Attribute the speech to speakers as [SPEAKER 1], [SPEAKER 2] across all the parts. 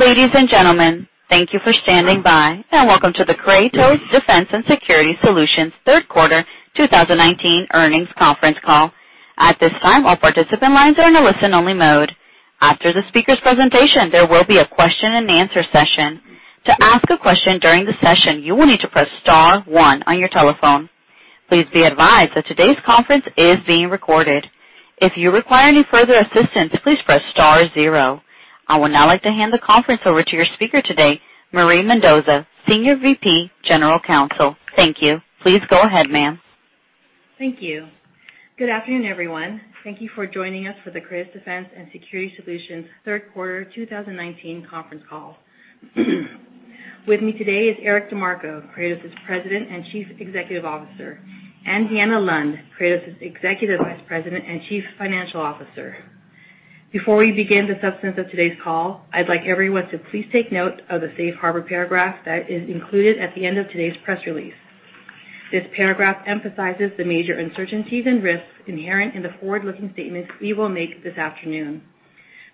[SPEAKER 1] Ladies and gentlemen, thank you for standing by, and welcome to the Kratos Defense & Security Solutions third quarter 2019 earnings conference call. At this time, all participant lines are in a listen-only mode. After the speaker's presentation, there will be a question and answer session. To ask a question during the session, you will need to press star one on your telephone. Please be advised that today's conference is being recorded. If you require any further assistance, please press star zero. I would now like to hand the conference over to your speaker today, Marie Mendoza, Senior VP, General Counsel. Thank you. Please go ahead, ma'am.
[SPEAKER 2] Thank you. Good afternoon, everyone. Thank you for joining us for the Kratos Defense & Security Solutions third quarter 2019 conference call. With me today is Eric DeMarco, Kratos' President and Chief Executive Officer, and Deanna Lund, Kratos' Executive Vice President and Chief Financial Officer. Before we begin the substance of today's call, I'd like everyone to please take note of the safe harbor paragraph that is included at the end of today's press release. This paragraph emphasizes the major uncertainties and risks inherent in the forward-looking statements we will make this afternoon.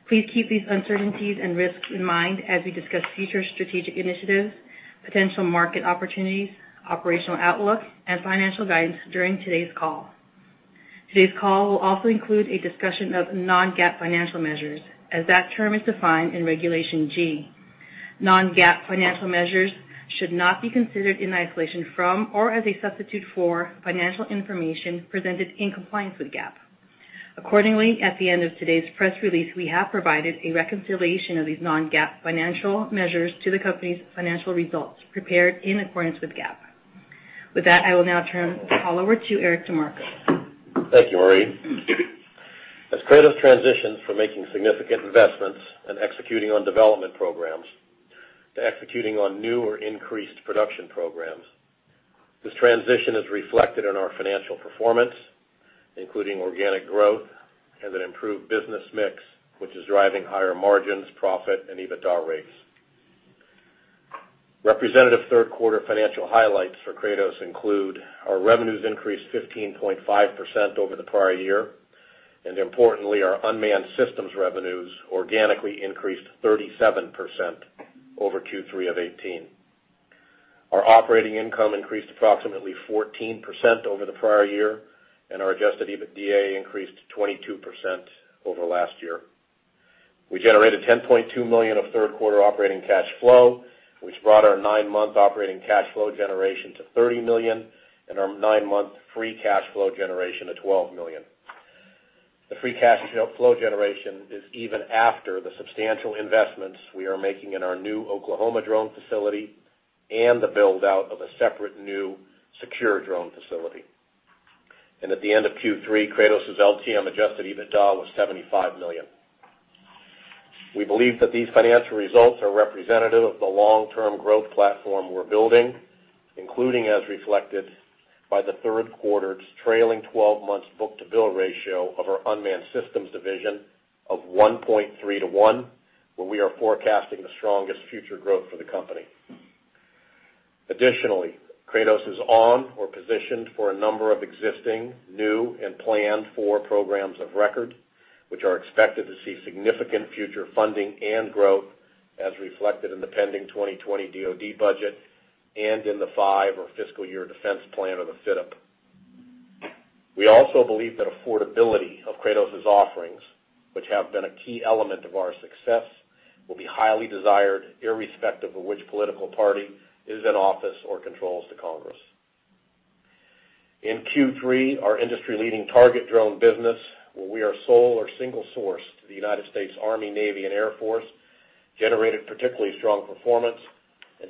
[SPEAKER 2] Please keep these uncertainties and risks in mind as we discuss future strategic initiatives, potential market opportunities, operational outlook, and financial guidance during today's call. Today's call will also include a discussion of non-GAAP financial measures, as that term is defined in Regulation G. Non-GAAP financial measures should not be considered in isolation from or as a substitute for financial information presented in compliance with GAAP. Accordingly, at the end of today's press release, we have provided a reconciliation of these non-GAAP financial measures to the company's financial results prepared in accordance with GAAP. With that, I will now turn this call over to Eric DeMarco.
[SPEAKER 3] Thank you, Marie. As Kratos transitions from making significant investments and executing on development programs to executing on new or increased production programs, this transition is reflected in our financial performance, including organic growth and an improved business mix, which is driving higher margins, profit, and EBITDA rates. Representative third quarter financial highlights for Kratos include our revenues increased 15.5% over the prior year, and importantly, our unmanned systems revenues organically increased 37% over Q3 of 2018. Our operating income increased approximately 14% over the prior year, and our adjusted EBITDA increased 22% over last year. We generated $10.2 million of third quarter operating cash flow, which brought our nine-month operating cash flow generation to $30 million and our nine-month free cash flow generation to $12 million. The free cash flow generation is even after the substantial investments we are making in our new Oklahoma drone facility and the build-out of a separate new secure drone facility. At the end of Q3, Kratos' LTM adjusted EBITDA was $75 million. We believe that these financial results are representative of the long-term growth platform we're building, including as reflected by the third quarter's trailing 12 months book-to-bill ratio of our unmanned systems division of 1.3:1, where we are forecasting the strongest future growth for the company. Additionally, Kratos is on or positioned for a number of existing, new, and planned for programs of record, which are expected to see significant future funding and growth as reflected in the pending 2020 DoD budget and in the FY or fiscal year defense plan of the FYDP. We also believe that affordability of Kratos' offerings, which have been a key element of our success, will be highly desired irrespective of which political party is in office or controls the Congress. In Q3, our industry-leading target drone business, where we are sole or single source to the United States Army, Navy, and Air Force, generated particularly strong performance.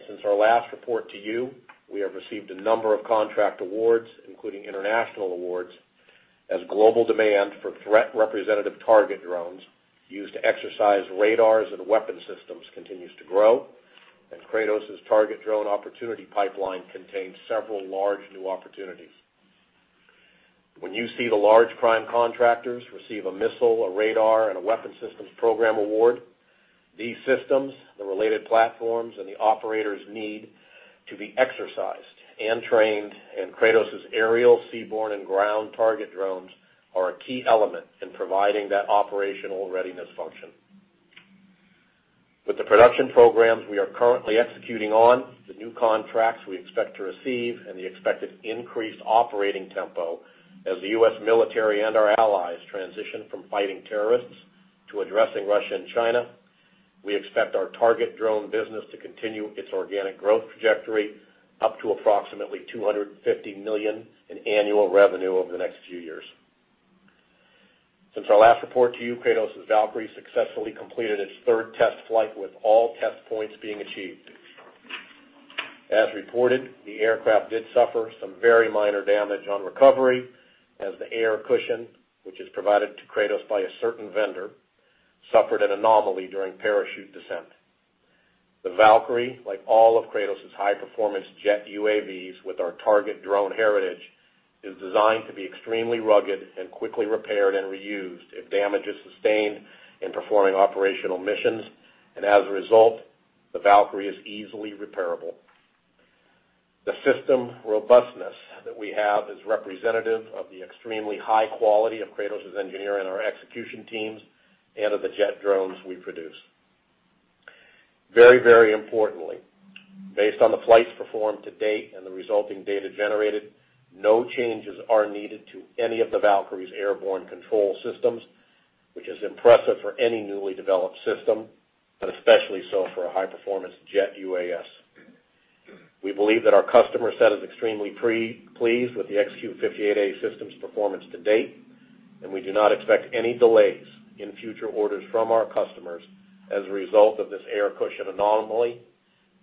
[SPEAKER 3] Since our last report to you, we have received a number of contract awards, including international awards, as global demand for threat-representative target drones used to exercise radars and weapon systems continues to grow, and Kratos' target drone opportunity pipeline contains several large new opportunities. When you see the large prime contractors receive a missile, a radar, and a weapon systems program award, these systems, the related platforms, and the operators need to be exercised and trained, and Kratos' aerial seaborne and ground target drones are a key element in providing that operational readiness function. With the production programs we are currently executing on, the new contracts we expect to receive, and the expected increased operating tempo as the U.S. military and our allies transition from fighting terrorists to addressing Russia and China, we expect our target drone business to continue its organic growth trajectory up to approximately $250 million in annual revenue over the next few years. Since our last report to you, Kratos' Valkyrie successfully completed its third test flight with all test points being achieved. As reported, the aircraft did suffer some very minor damage on recovery as the air cushion, which is provided to Kratos by a certain vendor, suffered an anomaly during parachute descent. The Valkyrie, like all of Kratos' high-performance jet UAVs with our target drone heritage, is designed to be extremely rugged and quickly repaired and reused if damage is sustained in performing operational missions. As a result, the Valkyrie is easily repairable. The system robustness that we have is representative of the extremely high quality of Kratos' engineering, our execution teams, and of the jet drones we produce. Very importantly, based on the flights performed to date and the resulting data generated, no changes are needed to any of the Valkyrie's airborne control systems, which is impressive for any newly developed system, but especially so for a high-performance jet UAS. We believe that our customer set is extremely pleased with the XQ-58A system's performance to date, and we do not expect any delays in future orders from our customers as a result of this air cushion anomaly,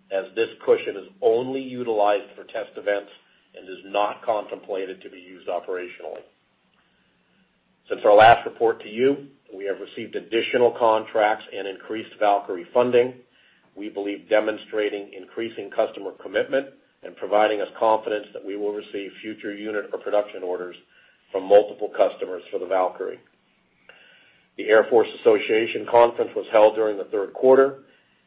[SPEAKER 3] as this cushion is only utilized for test events and is not contemplated to be used operationally. Since our last report to you, we have received additional contracts and increased Valkyrie funding, we believe demonstrating increasing customer commitment and providing us confidence that we will receive future unit or production orders from multiple customers for the Valkyrie. The Air Force Association Conference was held during the third quarter,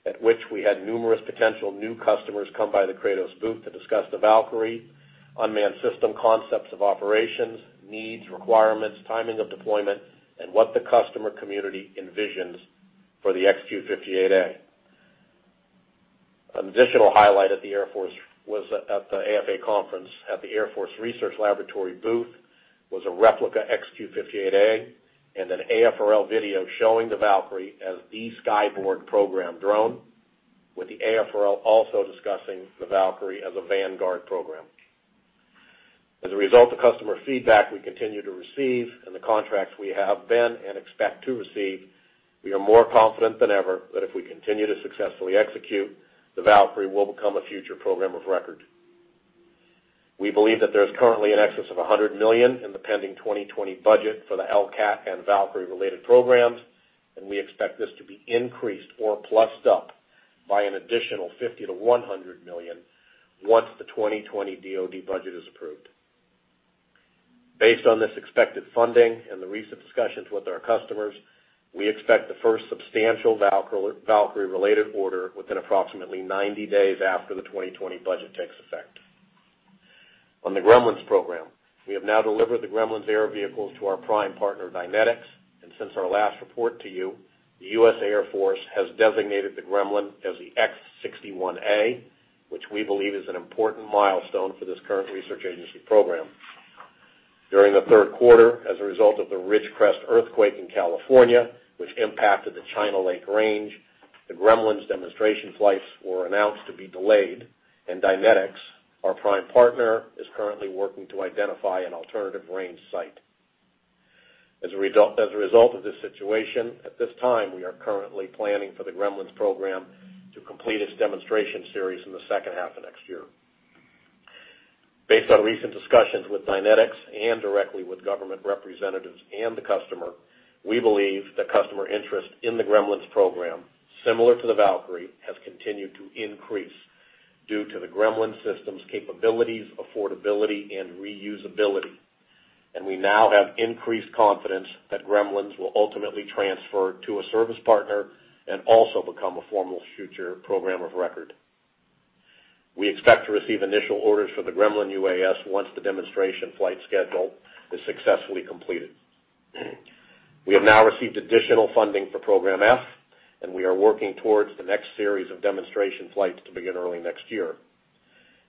[SPEAKER 3] at which we had numerous potential new customers come by the Kratos booth to discuss the Valkyrie unmanned system concepts of operations, needs, requirements, timing of deployment, and what the customer community envisions for the XQ-58A. An additional highlight at the Air Force was at the AFA conference at the Air Force Research Laboratory booth, was a replica XQ-58A and an AFRL video showing the Valkyrie as the Skyborg program drone, with the AFRL also discussing the Valkyrie as a Vanguard program. As a result of customer feedback we continue to receive and the contracts we have been and expect to receive, we are more confident than ever that if we continue to successfully execute, the Valkyrie will become a future program of record. We believe that there is currently in excess of $100 million in the pending 2020 budget for the LCAAT and Valkyrie-related programs, and we expect this to be increased or plussed up by an additional $50 million-$100 million, once the 2020 DoD budget is approved. Based on this expected funding and the recent discussions with our customers, we expect the first substantial Valkyrie-related order within approximately 90 days after the 2020 budget takes effect. Since our last report to you, the U.S. Air Force has designated the Gremlin as the X-61A, which we believe is an important milestone for this current research agency program. During the third quarter, as a result of the Ridgecrest earthquake in California, which impacted the China Lake range, the Gremlins demonstration flights were announced to be delayed, and Dynetics, our prime partner, is currently working to identify an alternative range site. As a result of this situation, at this time, we are currently planning for the Gremlins program to complete its demonstration series in the second half of next year. Based on recent discussions with Dynetics and directly with government representatives and the customer, we believe that customer interest in the Gremlins program, similar to the Valkyrie, has continued to increase due to the Gremlin system's capabilities, affordability, and reusability. We now have increased confidence that Gremlins will ultimately transfer to a service partner and also become a formal future program of record. We expect to receive initial orders for the Gremlin UAS once the demonstration flight schedule is successfully completed. We have now received additional funding for Program F, and we are working towards the next series of demonstration flights to begin early next year.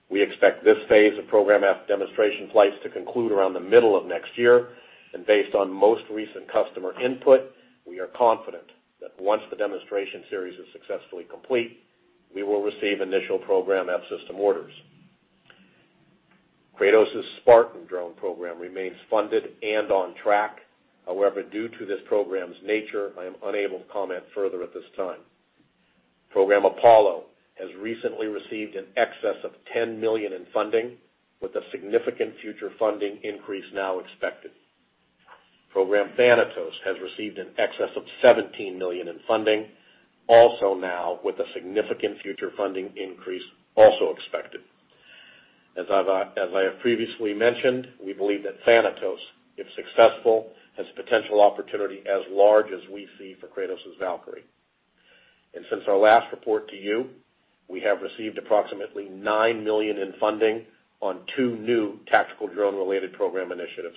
[SPEAKER 3] We expect this phase of Program F demonstration flights to conclude around the middle of next year, and based on most recent customer input, we are confident that once the demonstration series is successfully complete, we will receive initial Program F system orders. Kratos' Spartan drone program remains funded and on track. However, due to this program's nature, I am unable to comment further at this time. Program Apollo has recently received in excess of $10 million in funding, with a significant future funding increase now expected. Program Thanatos has received in excess of $17 million in funding, also now with a significant future funding increase also expected. As I have previously mentioned, we believe that Thanatos, if successful, has potential opportunity as large as we see for Kratos' Valkyrie. Since our last report to you, we have received approximately $9 million in funding on two new tactical drone-related program initiatives.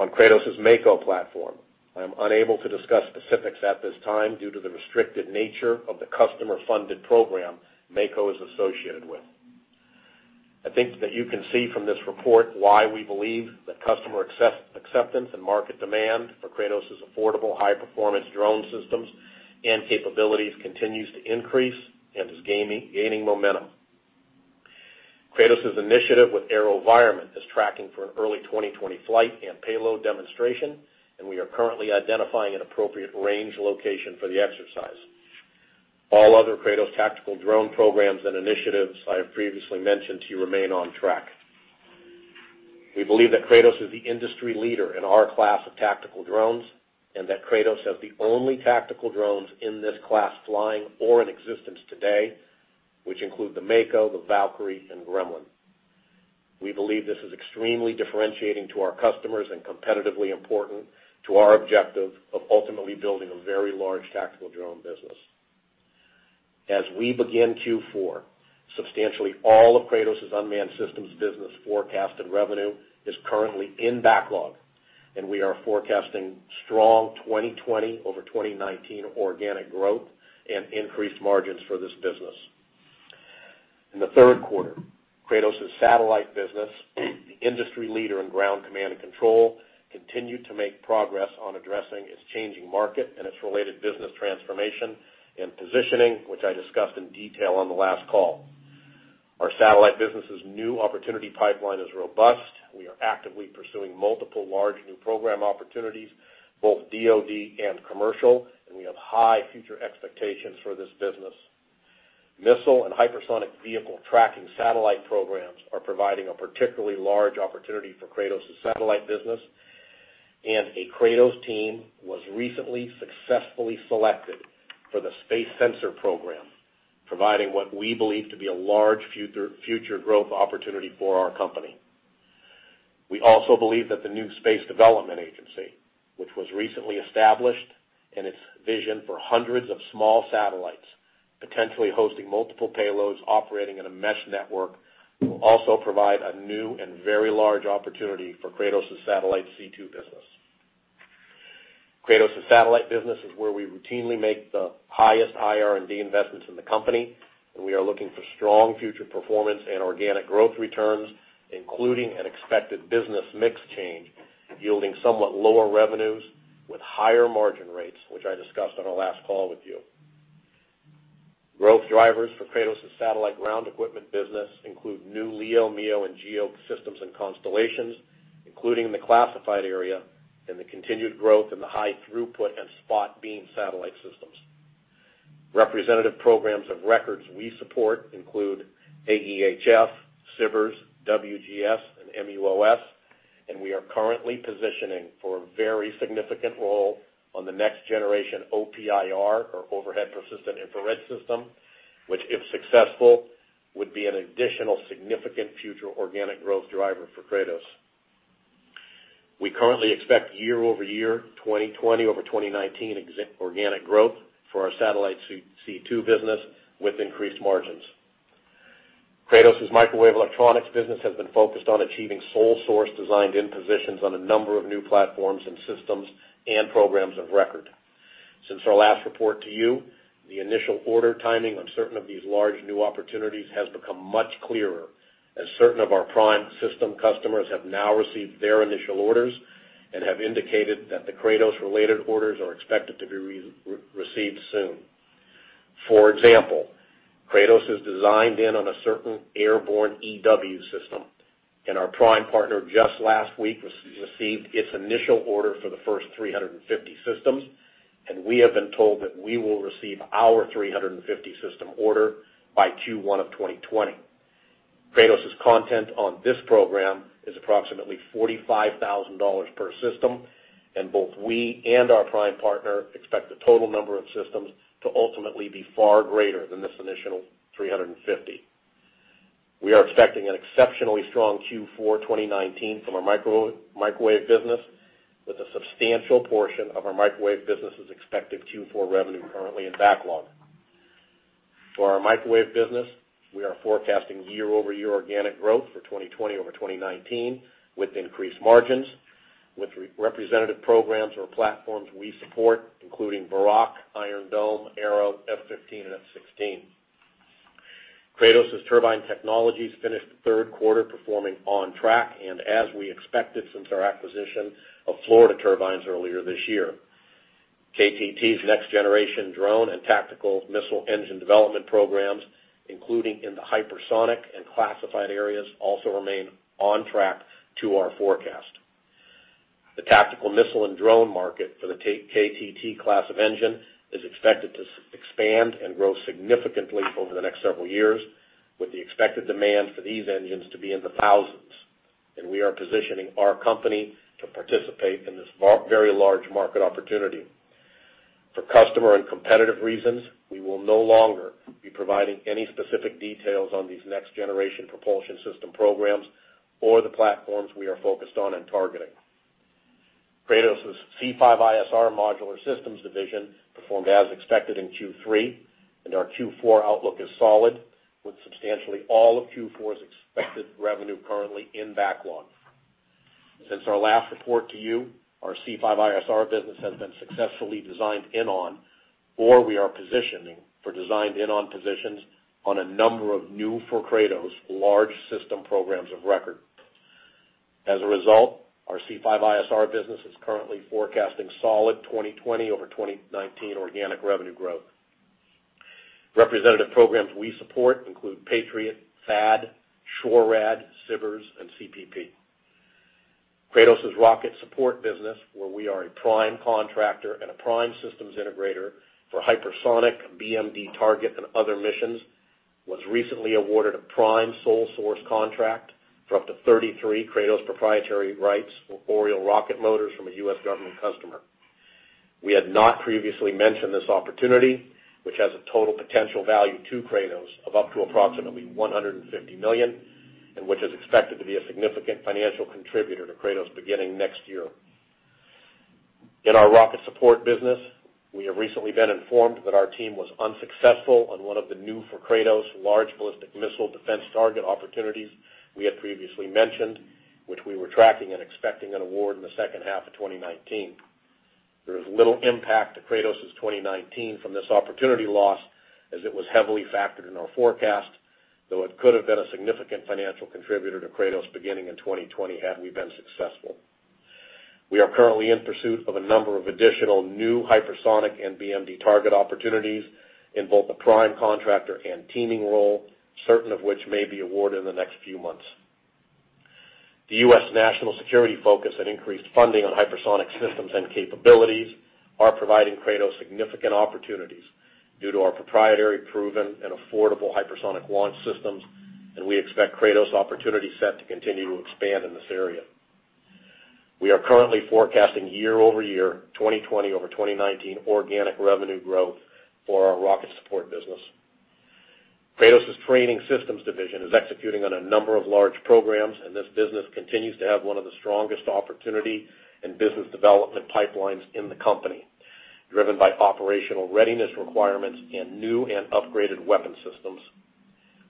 [SPEAKER 3] On Kratos' Mako platform, I am unable to discuss specifics at this time due to the restricted nature of the customer-funded program Mako is associated with. I think that you can see from this report why we believe that customer acceptance and market demand for Kratos' affordable high-performance drone systems and capabilities continues to increase and is gaining momentum. Kratos' initiative with AeroVironment is tracking for an early 2020 flight and payload demonstration, and we are currently identifying an appropriate range location for the exercise. All other Kratos tactical drone programs and initiatives I have previously mentioned to you remain on track. We believe that Kratos is the industry leader in our class of tactical drones, and that Kratos has the only tactical drones in this class flying or in existence today, which include the Mako, the Valkyrie, and Gremlin. We believe this is extremely differentiating to our customers and competitively important to our objective of ultimately building a very large tactical drone business. As we begin Q4, substantially all of Kratos' unmanned systems business forecasted revenue is currently in backlog, and we are forecasting strong 2020 over 2019 organic growth and increased margins for this business. In the third quarter, Kratos' satellite business, the industry leader in ground command and control, continued to make progress on addressing its changing market and its related business transformation and positioning, which I discussed in detail on the last call. Our satellite business' new opportunity pipeline is robust. We are actively pursuing multiple large new program opportunities, both DoD and commercial, and we have high future expectations for this business. Missile and hypersonic vehicle tracking satellite programs are providing a particularly large opportunity for Kratos' satellite business, and a Kratos team was recently successfully selected for the space sensor program, providing what we believe to be a large future growth opportunity for our company. We also believe that the new Space Development Agency, which was recently established, and its vision for hundreds of small satellites, potentially hosting multiple payloads operating in a mesh network, will also provide a new and very large opportunity for Kratos' Satellite C2 business. Kratos' satellite business is where we routinely make the highest IR&D investments in the company, and we are looking for strong future performance and organic growth returns, including an expected business mix change yielding somewhat lower revenues with higher margin rates, which I discussed on our last call with you. Growth drivers for Kratos' satellite ground equipment business include new LEO, MEO, and GEO systems and constellations, including in the classified area, and the continued growth in the high throughput and spot beam satellite systems. Representative programs of records we support include AEHF, SBIRS, WGS, and MUOS, and we are currently positioning for a very significant role on the next generation OPIR, or Overhead Persistent Infrared system, which, if successful, would be an additional significant future organic growth driver for Kratos. We currently expect year-over-year 2020 over 2019 organic growth for our Satellite C2 business with increased margins. Kratos' microwave electronics business has been focused on achieving sole source designed-in positions on a number of new platforms and systems and programs of record. Since our last report to you, the initial order timing on certain of these large new opportunities has become much clearer as certain of our prime system customers have now received their initial orders and have indicated that the Kratos related orders are expected to be received soon. For example, Kratos is designed in on a certain airborne EW system. Our prime partner just last week received its initial order for the first 350 systems. We have been told that we will receive our 350 system order by Q1 of 2020. Kratos' content on this program is approximately $45,000 per system. Both we and our prime partner expect the total number of systems to ultimately be far greater than this initial 350. We are expecting an exceptionally strong Q4 2019 from our microwave business with a substantial portion of our microwave business' expected Q4 revenue currently in backlog. For our microwave business, we are forecasting year-over-year organic growth for 2020 over 2019 with increased margins with representative programs or platforms we support, including Barak, Iron Dome, Arrow, F-15, and F-16. Kratos Turbine Technologies finished the third quarter performing on track and as we expected since our acquisition of Florida Turbine Technologies earlier this year. KTT's next generation drone and tactical missile engine development programs, including in the hypersonic and classified areas, also remain on track to our forecast. The tactical missile and drone market for the KTT class of engine is expected to expand and grow significantly over the next several years with the expected demand for these engines to be in the thousands, and we are positioning our company to participate in this very large market opportunity. For customer and competitive reasons, we will no longer be providing any specific details on these next generation propulsion system programs or the platforms we are focused on and targeting. Kratos' C5ISR Modular Systems division performed as expected in Q3. Our Q4 outlook is solid with substantially all of Q4's expected revenue currently in backlog. Since our last report to you, our C5ISR business has been successfully designed in on, or we are positioning for designed in on positions on a number of new for Kratos large system programs of record. As a result, our C5ISR business is currently forecasting solid 2020 over 2019 organic revenue growth. Representative programs we support include Patriot, THAAD, SHORAD, SBIRS, and CPP. Kratos' rocket support business, where we are a prime contractor and a prime systems integrator for hypersonic BMD target and other missions, was recently awarded a prime sole source contract for up to 33 Kratos proprietary rights for Oriole rocket motors from a U.S. government customer. We had not previously mentioned this opportunity, which has a total potential value to Kratos of up to approximately $150 million and which is expected to be a significant financial contributor to Kratos beginning next year. In our rocket support business, we have recently been informed that our team was unsuccessful on one of the new for Kratos large ballistic missile defense target opportunities we had previously mentioned, which we were tracking and expecting an award in the second half of 2019. There is little impact to Kratos' 2019 from this opportunity loss as it was heavily factored in our forecast, though it could have been a significant financial contributor to Kratos beginning in 2020 had we been successful. We are currently in pursuit of a number of additional new hypersonic and BMD target opportunities in both a prime contractor and teaming role, certain of which may be awarded in the next few months. The U.S. national security focus and increased funding on hypersonic systems and capabilities are providing Kratos significant opportunities due to our proprietary proven and affordable hypersonic launch systems, and we expect Kratos' opportunity set to continue to expand in this area. We are currently forecasting year-over-year 2020 over 2019 organic revenue growth for our rocket support business. Kratos' training systems division is executing on a number of large programs, and this business continues to have one of the strongest opportunity in business development pipelines in the company, driven by operational readiness requirements and new and upgraded weapon systems.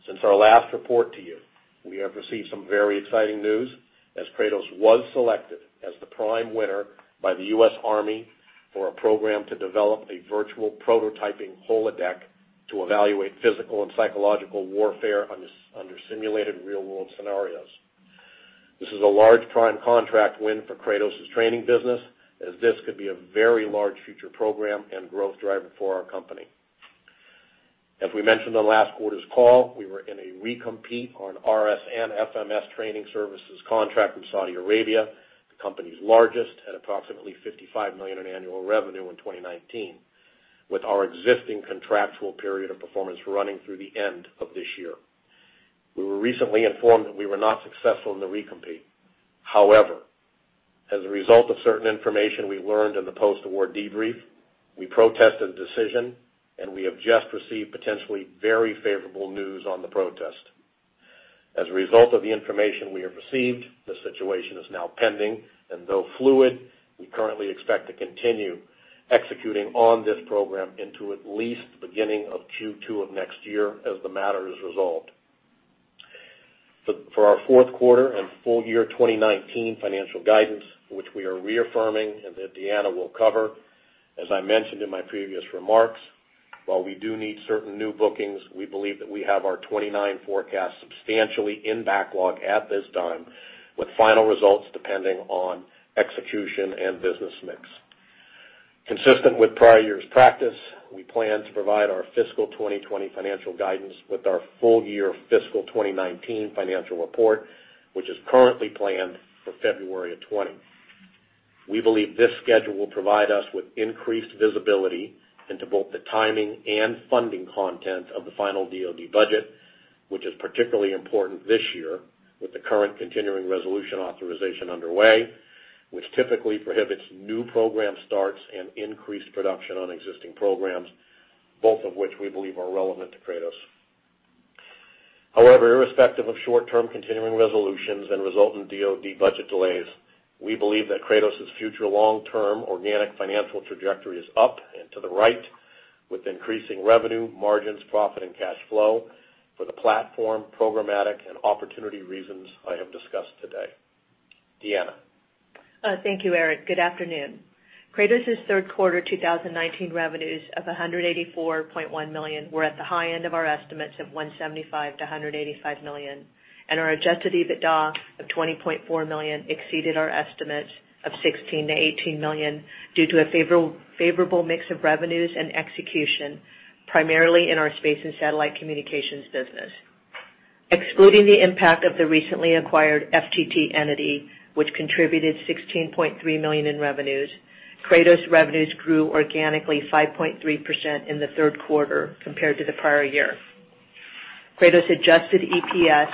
[SPEAKER 3] Since our last report to you, we have received some very exciting news as Kratos was selected as the prime winner by the U.S. Army for a program to develop a virtual prototyping Holodeck to evaluate physical and psychological warfare under simulated real-world scenarios. This is a large prime contract win for Kratos' training business, as this could be a very large future program and growth driver for our company. As we mentioned on last quarter's call, we were in a recompete on RS and FMS training services contract from Saudi Arabia, the company's largest at approximately $55 million in annual revenue in 2019, with our existing contractual period of performance running through the end of this year. We were recently informed that we were not successful in the recompete. However, as a result of certain information we learned in the post-award debrief, we protested the decision, and we have just received potentially very favorable news on the protest. As a result of the information we have received, the situation is now pending, and though fluid, we currently expect to continue executing on this program into at least the beginning of Q2 of next year as the matter is resolved. For our fourth quarter and full year 2019 financial guidance, which we are reaffirming and that Deanna will cover, as I mentioned in my previous remarks, while we do need certain new bookings, we believe that we have our 29 forecasts substantially in backlog at this time, with final results depending on execution and business mix. Consistent with prior years' practice, we plan to provide our fiscal 2020 financial guidance with our full year fiscal 2019 financial report, which is currently planned for February of 2020. We believe this schedule will provide us with increased visibility into both the timing and funding content of the final DoD budget, which is particularly important this year with the current continuing resolution authorization underway, which typically prohibits new program starts and increased production on existing programs, both of which we believe are relevant to Kratos. Irrespective of short-term continuing resolutions and resultant DoD budget delays, we believe that Kratos' future long-term organic financial trajectory is up and to the right with increasing revenue, margins, profit, and cash flow for the platform, programmatic, and opportunity reasons I have discussed today. Deanna.
[SPEAKER 4] Thank you, Eric. Good afternoon. Kratos' third quarter 2019 revenues of $184.1 million were at the high end of our estimates of $175 million-$185 million, and our adjusted EBITDA of $20.4 million exceeded our estimates of $16 million-$18 million due to a favorable mix of revenues and execution, primarily in our space and satellite communications business. Excluding the impact of the recently acquired FTT entity, which contributed $16.3 million in revenues, Kratos' revenues grew organically 5.3% in the third quarter compared to the prior year. Kratos' adjusted EPS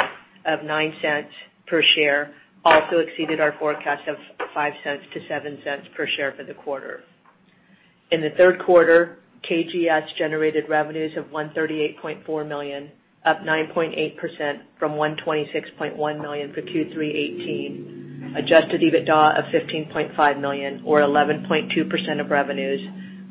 [SPEAKER 4] of $0.09 per share also exceeded our forecast of $0.05-$0.07 per share for the quarter. In the third quarter, KGS generated revenues of $138.4 million, up 9.8% from $126.1 million for Q3'18, adjusted EBITDA of $15.5 million or 11.2% of revenues,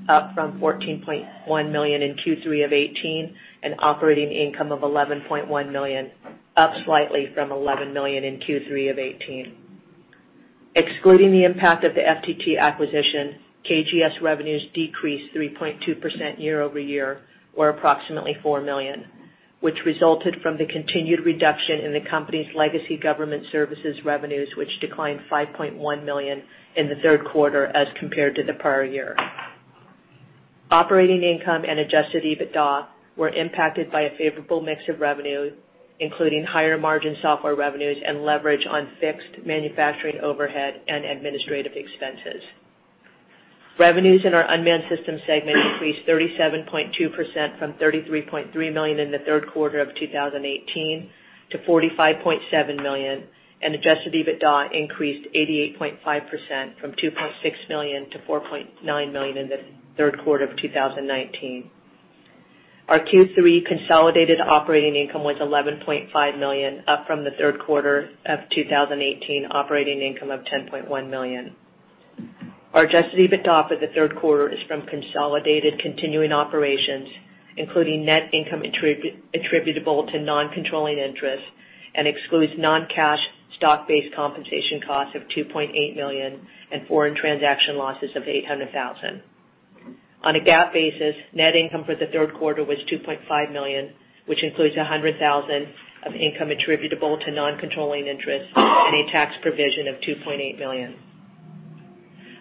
[SPEAKER 4] up from $14.1 million in Q3 of '18, and operating income of $11.1 million, up slightly from $11 million in Q3 of '18. Excluding the impact of the FTT acquisition, KGS revenues decreased 3.2% year-over-year or approximately $4 million, which resulted from the continued reduction in the company's legacy government services revenues, which declined $5.1 million in the third quarter as compared to the prior year. Operating income and adjusted EBITDA were impacted by a favorable mix of revenue, including higher margin software revenues and leverage on fixed manufacturing overhead and administrative expenses. Revenues in our unmanned system segment increased 37.2% from $33.3 million in the third quarter of 2018 to $45.7 million, and adjusted EBITDA increased 88.5% from $2.6 million to $4.9 million in the third quarter of 2019. Our Q3 consolidated operating income was $11.5 million, up from the third quarter of 2018 operating income of $10.1 million. Our adjusted EBITDA for the third quarter is from consolidated continuing operations, including net income attributable to non-controlling interests, and excludes non-cash stock-based compensation costs of $2.8 million and foreign transaction losses of $800,000. On a GAAP basis, net income for the third quarter was $2.5 million, which includes $100,000 of income attributable to non-controlling interests and a tax provision of $2.8 million.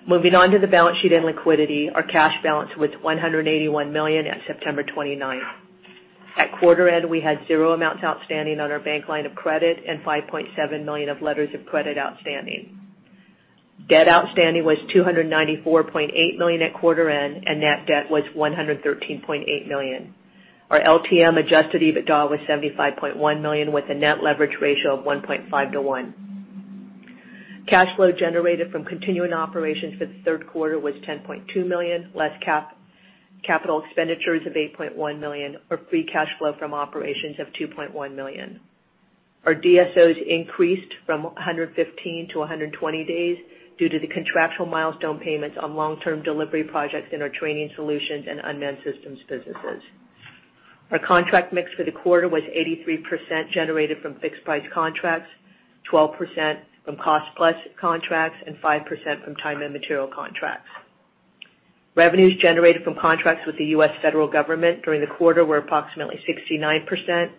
[SPEAKER 4] Moving on to the balance sheet and liquidity, our cash balance was $181 million at September 29th. At quarter end, we had zero amounts outstanding on our bank line of credit and $5.7 million of letters of credit outstanding. Debt outstanding was $294.8 million at quarter end, and net debt was $113.8 million. Our LTM adjusted EBITDA was $75.1 million with a net leverage ratio of 1.5:1. Cash flow generated from continuing operations for the third quarter was $10.2 million, less capital expenditures of $8.1 million, or free cash flow from operations of $2.1 million. Our DSOs increased from 115 to 120 days due to the contractual milestone payments on long-term delivery projects in our training solutions and unmanned systems businesses. Our contract mix for the quarter was 83% generated from fixed-price contracts, 12% from cost-plus contracts, and 5% from time and material contracts. Revenues generated from contracts with the U.S. federal government during the quarter were approximately 69%,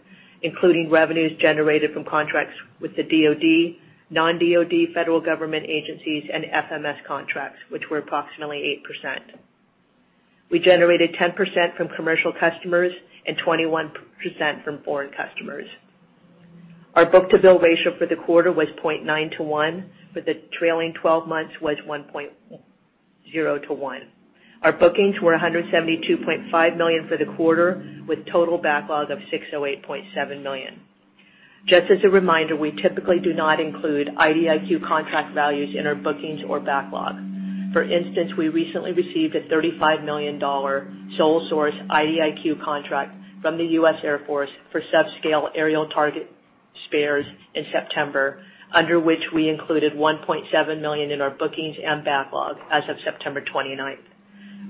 [SPEAKER 4] including revenues generated from contracts with the DoD, non-DoD federal government agencies, and FMS contracts, which were approximately 8%. We generated 10% from commercial customers and 21% from foreign customers. Our book-to-bill ratio for the quarter was 0.9:1. For the trailing 12 months was 1.0:1. Our bookings were $172.5 million for the quarter, with total backlog of $608.7 million. Just as a reminder, we typically do not include IDIQ contract values in our bookings or backlog. For instance, we recently received a $35 million sole source IDIQ contract from the U.S. Air Force for subscale aerial target spares in September, under which we included $1.7 million in our bookings and backlog as of September 29th,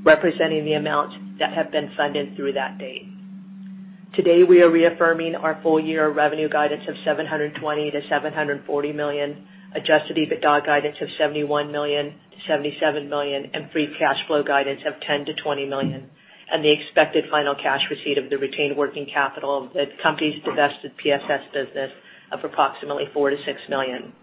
[SPEAKER 4] representing the amounts that have been funded through that date. Today, we are reaffirming our full-year revenue guidance of $720 million-$740 million, adjusted EBITDA guidance of $71 million-$77 million, and free cash flow guidance of $10 million-$20 million, and the expected final cash receipt of the retained working capital of the company's divested PSS business of approximately $4 million-$6 million.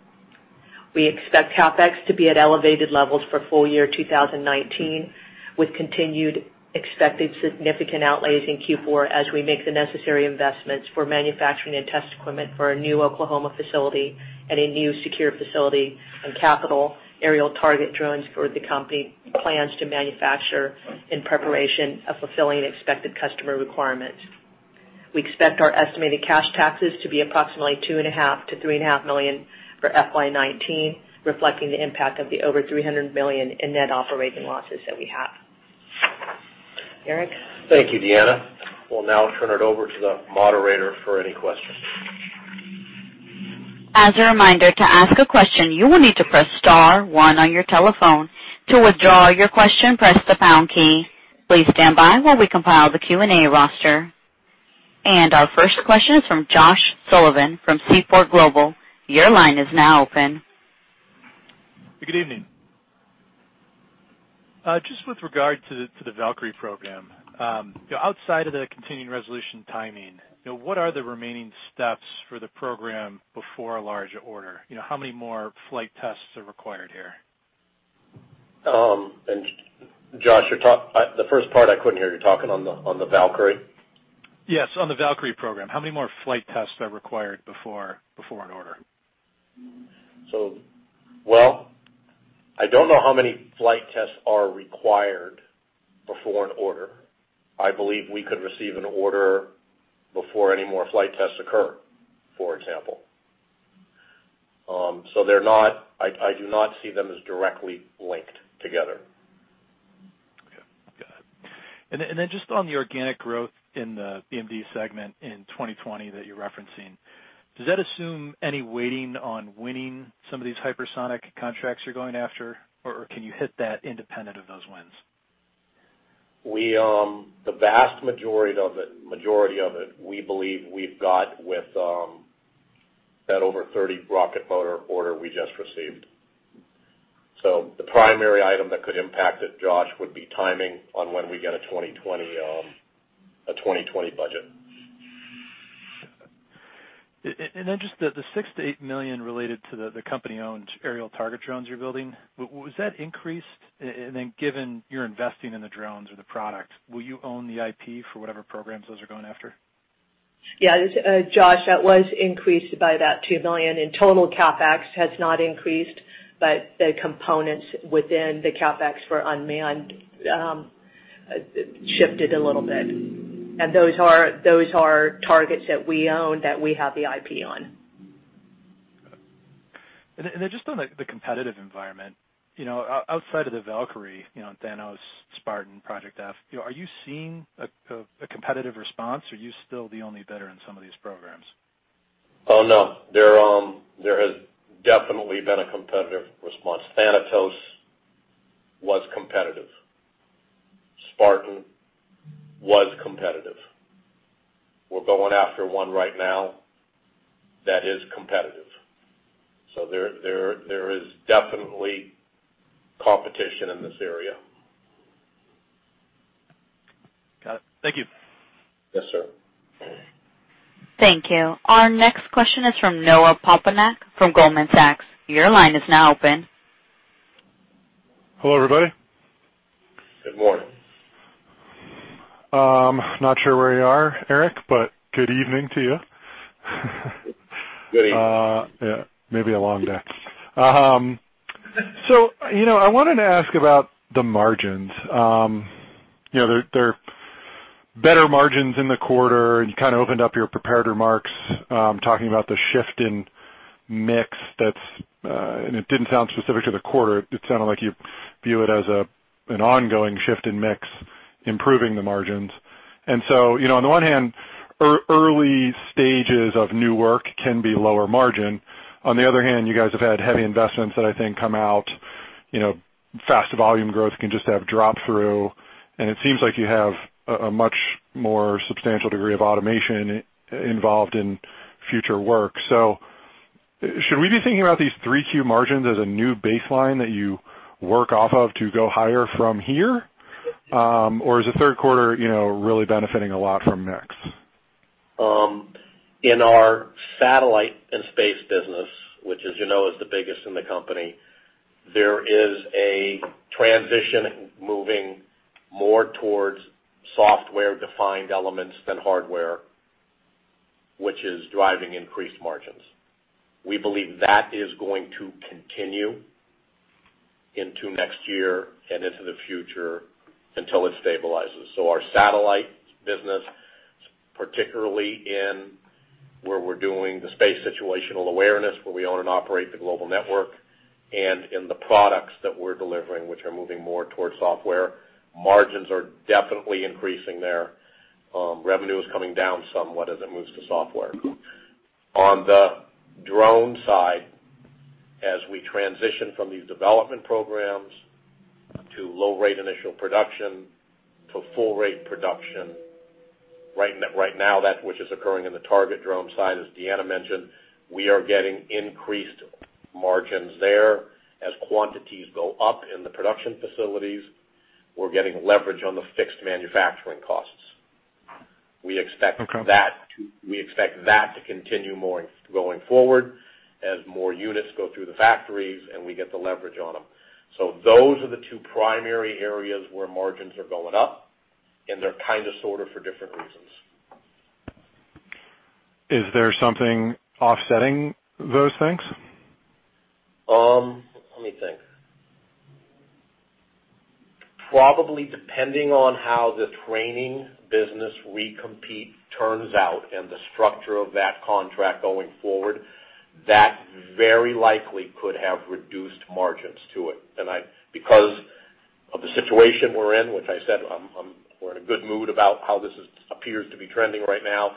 [SPEAKER 4] We expect CapEx to be at elevated levels for full-year 2019, with continued expected significant outlays in Q4 as we make the necessary investments for manufacturing and test equipment for our new Oklahoma facility and a new secure facility and capital aerial target drones for the company plans to manufacture in preparation of fulfilling expected customer requirements. We expect our estimated cash taxes to be approximately $2.5 million-$3.5 million for FY 2019, reflecting the impact of the over $300 million in net operating losses that we have. Eric?
[SPEAKER 3] Thank you, Deanna. We'll now turn it over to the moderator for any questions.
[SPEAKER 1] As a reminder, to ask a question, you will need to press star one on your telephone. To withdraw your question, press the pound key. Please stand by while we compile the Q&A roster. Our first question is from Josh Sullivan from Seaport Global. Your line is now open.
[SPEAKER 5] Good evening. Just with regard to the Valkyrie program. Outside of the Continuing Resolution timing, what are the remaining steps for the program before a large order? How many more flight tests are required here?
[SPEAKER 3] Josh, the first part I couldn't hear. You're talking on the Valkyrie?
[SPEAKER 5] Yes, on the Valkyrie program. How many more flight tests are required before an order?
[SPEAKER 3] Well, I don't know how many flight tests are required before an order. I believe we could receive an order before any more flight tests occur, for example. I do not see them as directly linked together.
[SPEAKER 5] Okay, got it. Just on the organic growth in the BMD segment in 2020 that you're referencing, does that assume any weighting on winning some of these hypersonic contracts you're going after, or can you hit that independent of those wins?
[SPEAKER 3] The vast majority of it, we believe we've got with that over 30 rocket motor order we just received. The primary item that could impact it, Josh, would be timing on when we get a 2020 budget.
[SPEAKER 5] Just the $6 million-$8 million related to the company-owned aerial target drones you're building, was that increased? Given you're investing in the drones or the product, will you own the IP for whatever programs those are going after?
[SPEAKER 4] Yeah, Josh, that was increased by about $2 million. In total, CapEx has not increased, but the components within the CapEx for unmanned shifted a little bit. Those are targets that we own that we have the IP on.
[SPEAKER 5] Just on the competitive environment. Outside of the Valkyrie, Thanatos, Spartan, Project F, are you seeing a competitive response? Are you still the only bidder in some of these programs?
[SPEAKER 3] Oh, no. There has definitely been a competitive response. Thanatos was competitive. Spartan was competitive. We're going after one right now that is competitive. There is definitely competition in this area.
[SPEAKER 5] Got it. Thank you.
[SPEAKER 3] Yes, sir.
[SPEAKER 1] Thank you. Our next question is from Noah Poponak from Goldman Sachs. Your line is now open.
[SPEAKER 6] Hello, everybody.
[SPEAKER 3] Good morning.
[SPEAKER 6] I'm not sure where you are, Eric, but good evening to you.
[SPEAKER 3] Good evening.
[SPEAKER 6] Maybe a long day. I wanted to ask about the margins. There are better margins in the quarter, and you kind of opened up your prepared remarks, talking about the shift in mix, and it didn't sound specific to the quarter. It sounded like you view it as an ongoing shift in mix, improving the margins. On the one hand, early stages of new work can be lower margin. On the other hand, you guys have had heavy investments that I think come out, fast volume growth can just have drop through, and it seems like you have a much more substantial degree of automation involved in future work. Should we be thinking about these 3 Q margins as a new baseline that you work off of to go higher from here? Is the third quarter really benefiting a lot from mix?
[SPEAKER 3] In our satellite and space business, which as you know, is the biggest in the company, there is a transition moving more towards software-defined elements than hardware, which is driving increased margins. We believe that is going to continue into next year and into the future until it stabilizes. Our satellite business, particularly in where we're doing the space situational awareness, where we own and operate the global network, and in the products that we're delivering, which are moving more towards software, margins are definitely increasing there. Revenue is coming down somewhat as it moves to software. On the drone side, as we transition from these development programs to low rate initial production to full rate production, right now that which is occurring in the target drone side, as Deanna mentioned, we are getting increased margins there. As quantities go up in the production facilities, we're getting leverage on the fixed manufacturing costs.
[SPEAKER 6] Okay.
[SPEAKER 3] We expect that to continue more going forward as more units go through the factories and we get the leverage on them. Those are the two primary areas where margins are going up, and they're kind of sort of for different reasons.
[SPEAKER 6] Is there something offsetting those things?
[SPEAKER 3] Let me think. Probably depending on how the training business recompete turns out and the structure of that contract going forward, that very likely could have reduced margins to it. Because of the situation we're in, which I said, we're in a good mood about how this appears to be trending right now.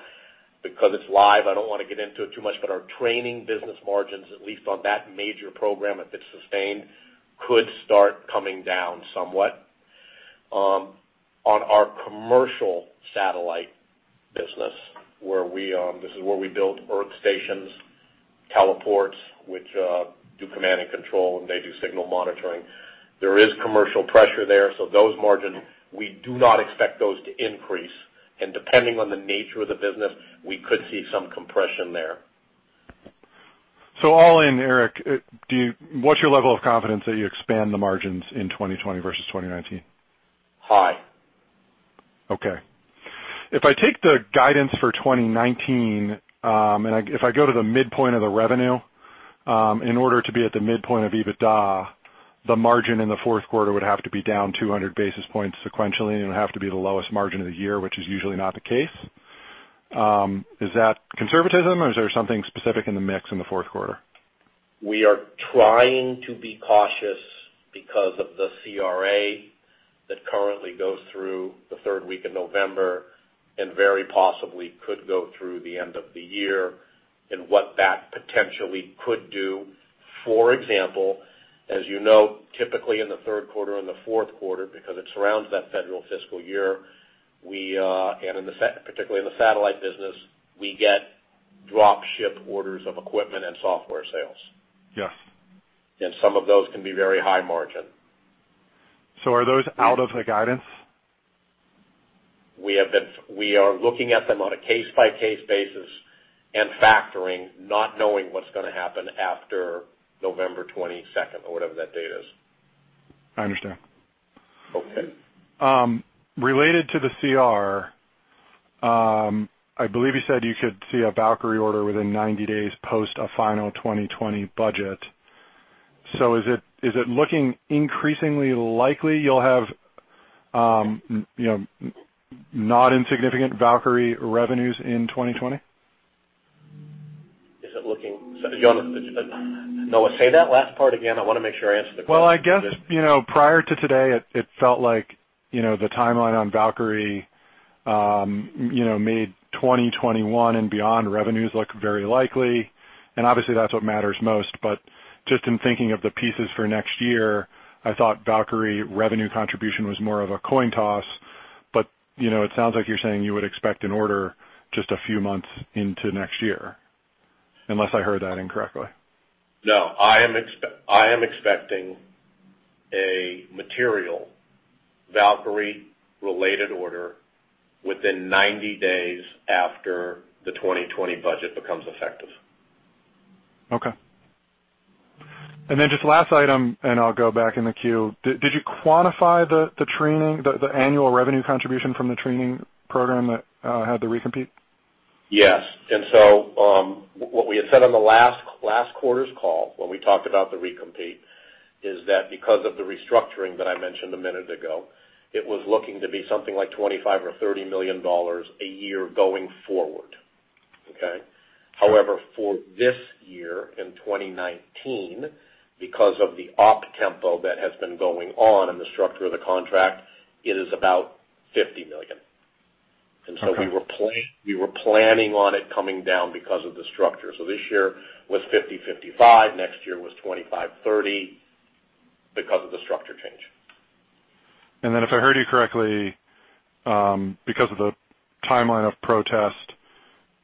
[SPEAKER 3] Because it's live, I don't want to get into it too much, but our training business margins, at least on that major program, if it's sustained, could start coming down somewhat. On our commercial satellite business, this is where we build earth stations, teleports, which do command and control, and they do signal monitoring. There is commercial pressure there. Those margins, we do not expect those to increase. Depending on the nature of the business, we could see some compression there.
[SPEAKER 6] All in, Eric, what's your level of confidence that you expand the margins in 2020 versus 2019?
[SPEAKER 3] High.
[SPEAKER 6] Okay. If I take the guidance for 2019, and if I go to the midpoint of the revenue, in order to be at the midpoint of EBITDA, the margin in the fourth quarter would have to be down 200 basis points sequentially, and it would have to be the lowest margin of the year, which is usually not the case. Is that conservatism or is there something specific in the mix in the fourth quarter?
[SPEAKER 3] We are trying to be cautious because of the CR that currently goes through the third week of November and very possibly could go through the end of the year and what that potentially could do. For example, as you know, typically in the third quarter and the fourth quarter, because it surrounds that federal fiscal year, and particularly in the satellite business, we get drop ship orders of equipment and software sales.
[SPEAKER 6] Yes.
[SPEAKER 3] Some of those can be very high margin.
[SPEAKER 6] Are those out of the guidance?
[SPEAKER 3] We are looking at them on a case-by-case basis and factoring, not knowing what's going to happen after November 22nd or whatever that date is.
[SPEAKER 6] I understand.
[SPEAKER 3] Okay.
[SPEAKER 6] Related to the CR, I believe you said you could see a Valkyrie order within 90 days post a final 2020 budget. Is it looking increasingly likely you'll have not insignificant Valkyrie revenues in 2020?
[SPEAKER 3] Is it looking, Noah, say that last part again? I want to make sure I answer the question.
[SPEAKER 6] Well, I guess, prior to today, it felt like the timeline on Valkyrie made 2021 and beyond revenues look very likely, and obviously, that's what matters most. Just in thinking of the pieces for next year, I thought Valkyrie revenue contribution was more of a coin toss. It sounds like you're saying you would expect an order just a few months into next year, unless I heard that incorrectly.
[SPEAKER 3] No, I am expecting a material Valkyrie-related order within 90 days after the 2020 budget becomes effective.
[SPEAKER 6] Okay. Just last item, and I'll go back in the queue. Did you quantify the annual revenue contribution from the training program that had the recompete?
[SPEAKER 3] Yes. What we had said on the last quarter's call when we talked about the recompete is that because of the restructuring that I mentioned a minute ago, it was looking to be something like $25 million or $30 million a year going forward. Okay?
[SPEAKER 6] Sure.
[SPEAKER 3] However, for this year, in 2019, because of the op tempo that has been going on and the structure of the contract, it is about $50 million.
[SPEAKER 6] Okay.
[SPEAKER 3] We were planning on it coming down because of the structure. This year was $50, $55. Next year was $25, $30 because of the structure change.
[SPEAKER 6] If I heard you correctly, because of the timeline of protest,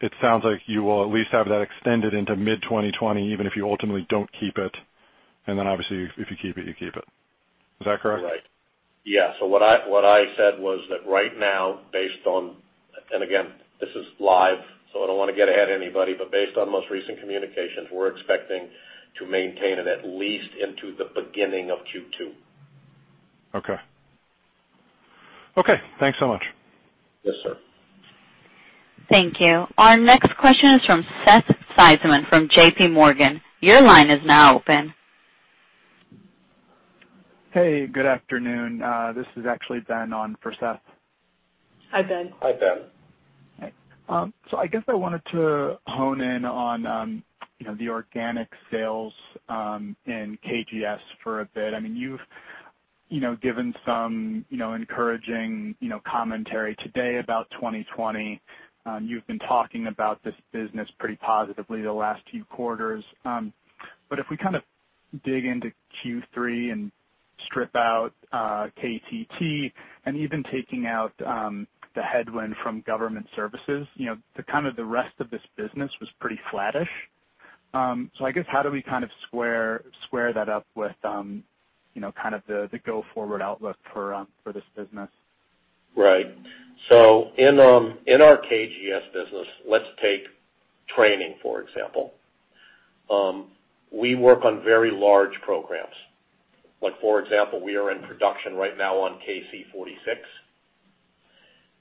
[SPEAKER 6] it sounds like you will at least have that extended into mid-2020, even if you ultimately don't keep it. Obviously, if you keep it, you keep it. Is that correct?
[SPEAKER 3] Right. Yeah. What I said was that right now, based on, and again, this is live, so I don't want to get ahead of anybody, but based on most recent communications, we're expecting to maintain it at least into the beginning of Q2.
[SPEAKER 6] Okay. Thanks so much.
[SPEAKER 3] Yes, sir.
[SPEAKER 1] Thank you. Our next question is from Ben from JPMorgan. Your line is now open.
[SPEAKER 7] Hey, good afternoon. This is actually Ben on for Seth. Hi, Ben. Hi. I guess I wanted to hone in on the organic sales in KGS for a bit. You've given some encouraging commentary today about 2020. You've been talking about this business pretty positively the last few quarters. If we kind of dig into Q3 and strip out KTT and even taking out the headwind from government services, the rest of this business was pretty flattish. I guess, how do we kind of square that up with the go-forward outlook for this business? Right. In our KGS business, let's take training, for example. We work on very large programs. Like for example, we are in production right now on KC-46.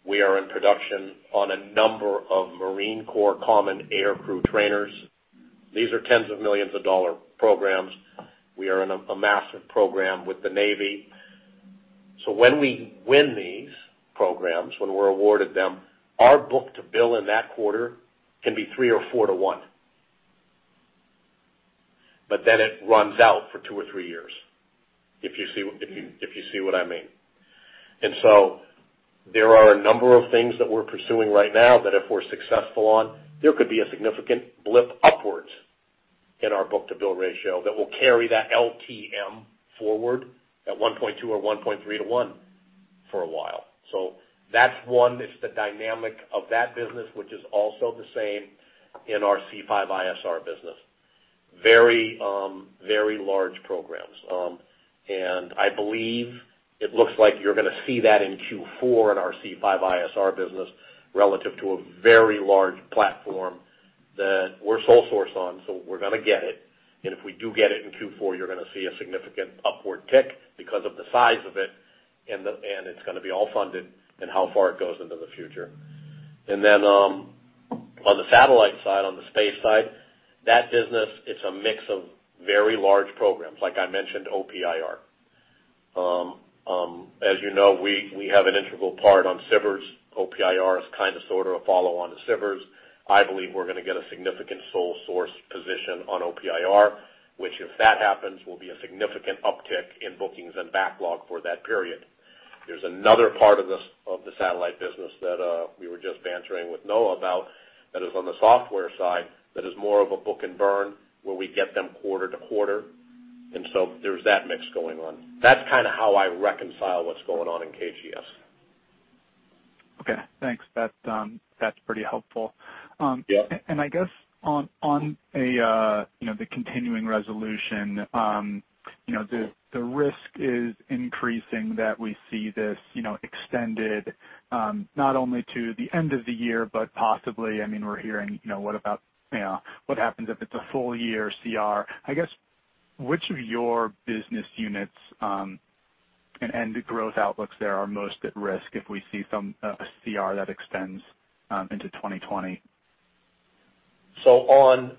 [SPEAKER 7] We are in production on a number of Marine Corps common aircrew trainers. These are tens of millions of dollar programs.
[SPEAKER 3] We are in a massive program with the Navy. When we win these programs, when we're awarded them, our book-to-bill in that quarter can be 3 or 4 to one. It runs out for 2 or 3 years, if you see what I mean. There are a number of things that we're pursuing right now that if we're successful on, there could be a significant blip upwards in our book-to-bill ratio that will carry that LTM forward at 1.2 or 1.3 to one for a while. That's one. It's the dynamic of that business, which is also the same in our C5ISR business. Very large programs. I believe it looks like you're going to see that in Q4 in our C5ISR business relative to a very large platform that we're sole source on, so we're going to get it. If we do get it in Q4, you're going to see a significant upward tick because of the size of it, and it's going to be all funded and how far it goes into the future. On the satellite side, on the space side, that business, it's a mix of very large programs, like I mentioned, OPIR. As you know, we have an integral part on SBIRS. OPIR is kind of, sort of a follow-on to SBIRS. I believe we're going to get a significant sole source position on OPIR. Which, if that happens, will be a significant uptick in bookings and backlog for that period. There's another part of the satellite business that we were just bantering with Noah about, that is on the software side, that is more of a book and burn, where we get them quarter to quarter. There's that mix going on. That's kind of how I reconcile what's going on in KGS. Okay, thanks. That's pretty helpful. Yeah. I guess on the continuing resolution, the risk is increasing that we see this extended not only to the end of the year, but possibly, we're hearing, what happens if it's a full year CR? I guess, which of your business units and growth outlooks there are most at risk if we see a CR that extends into 2020? The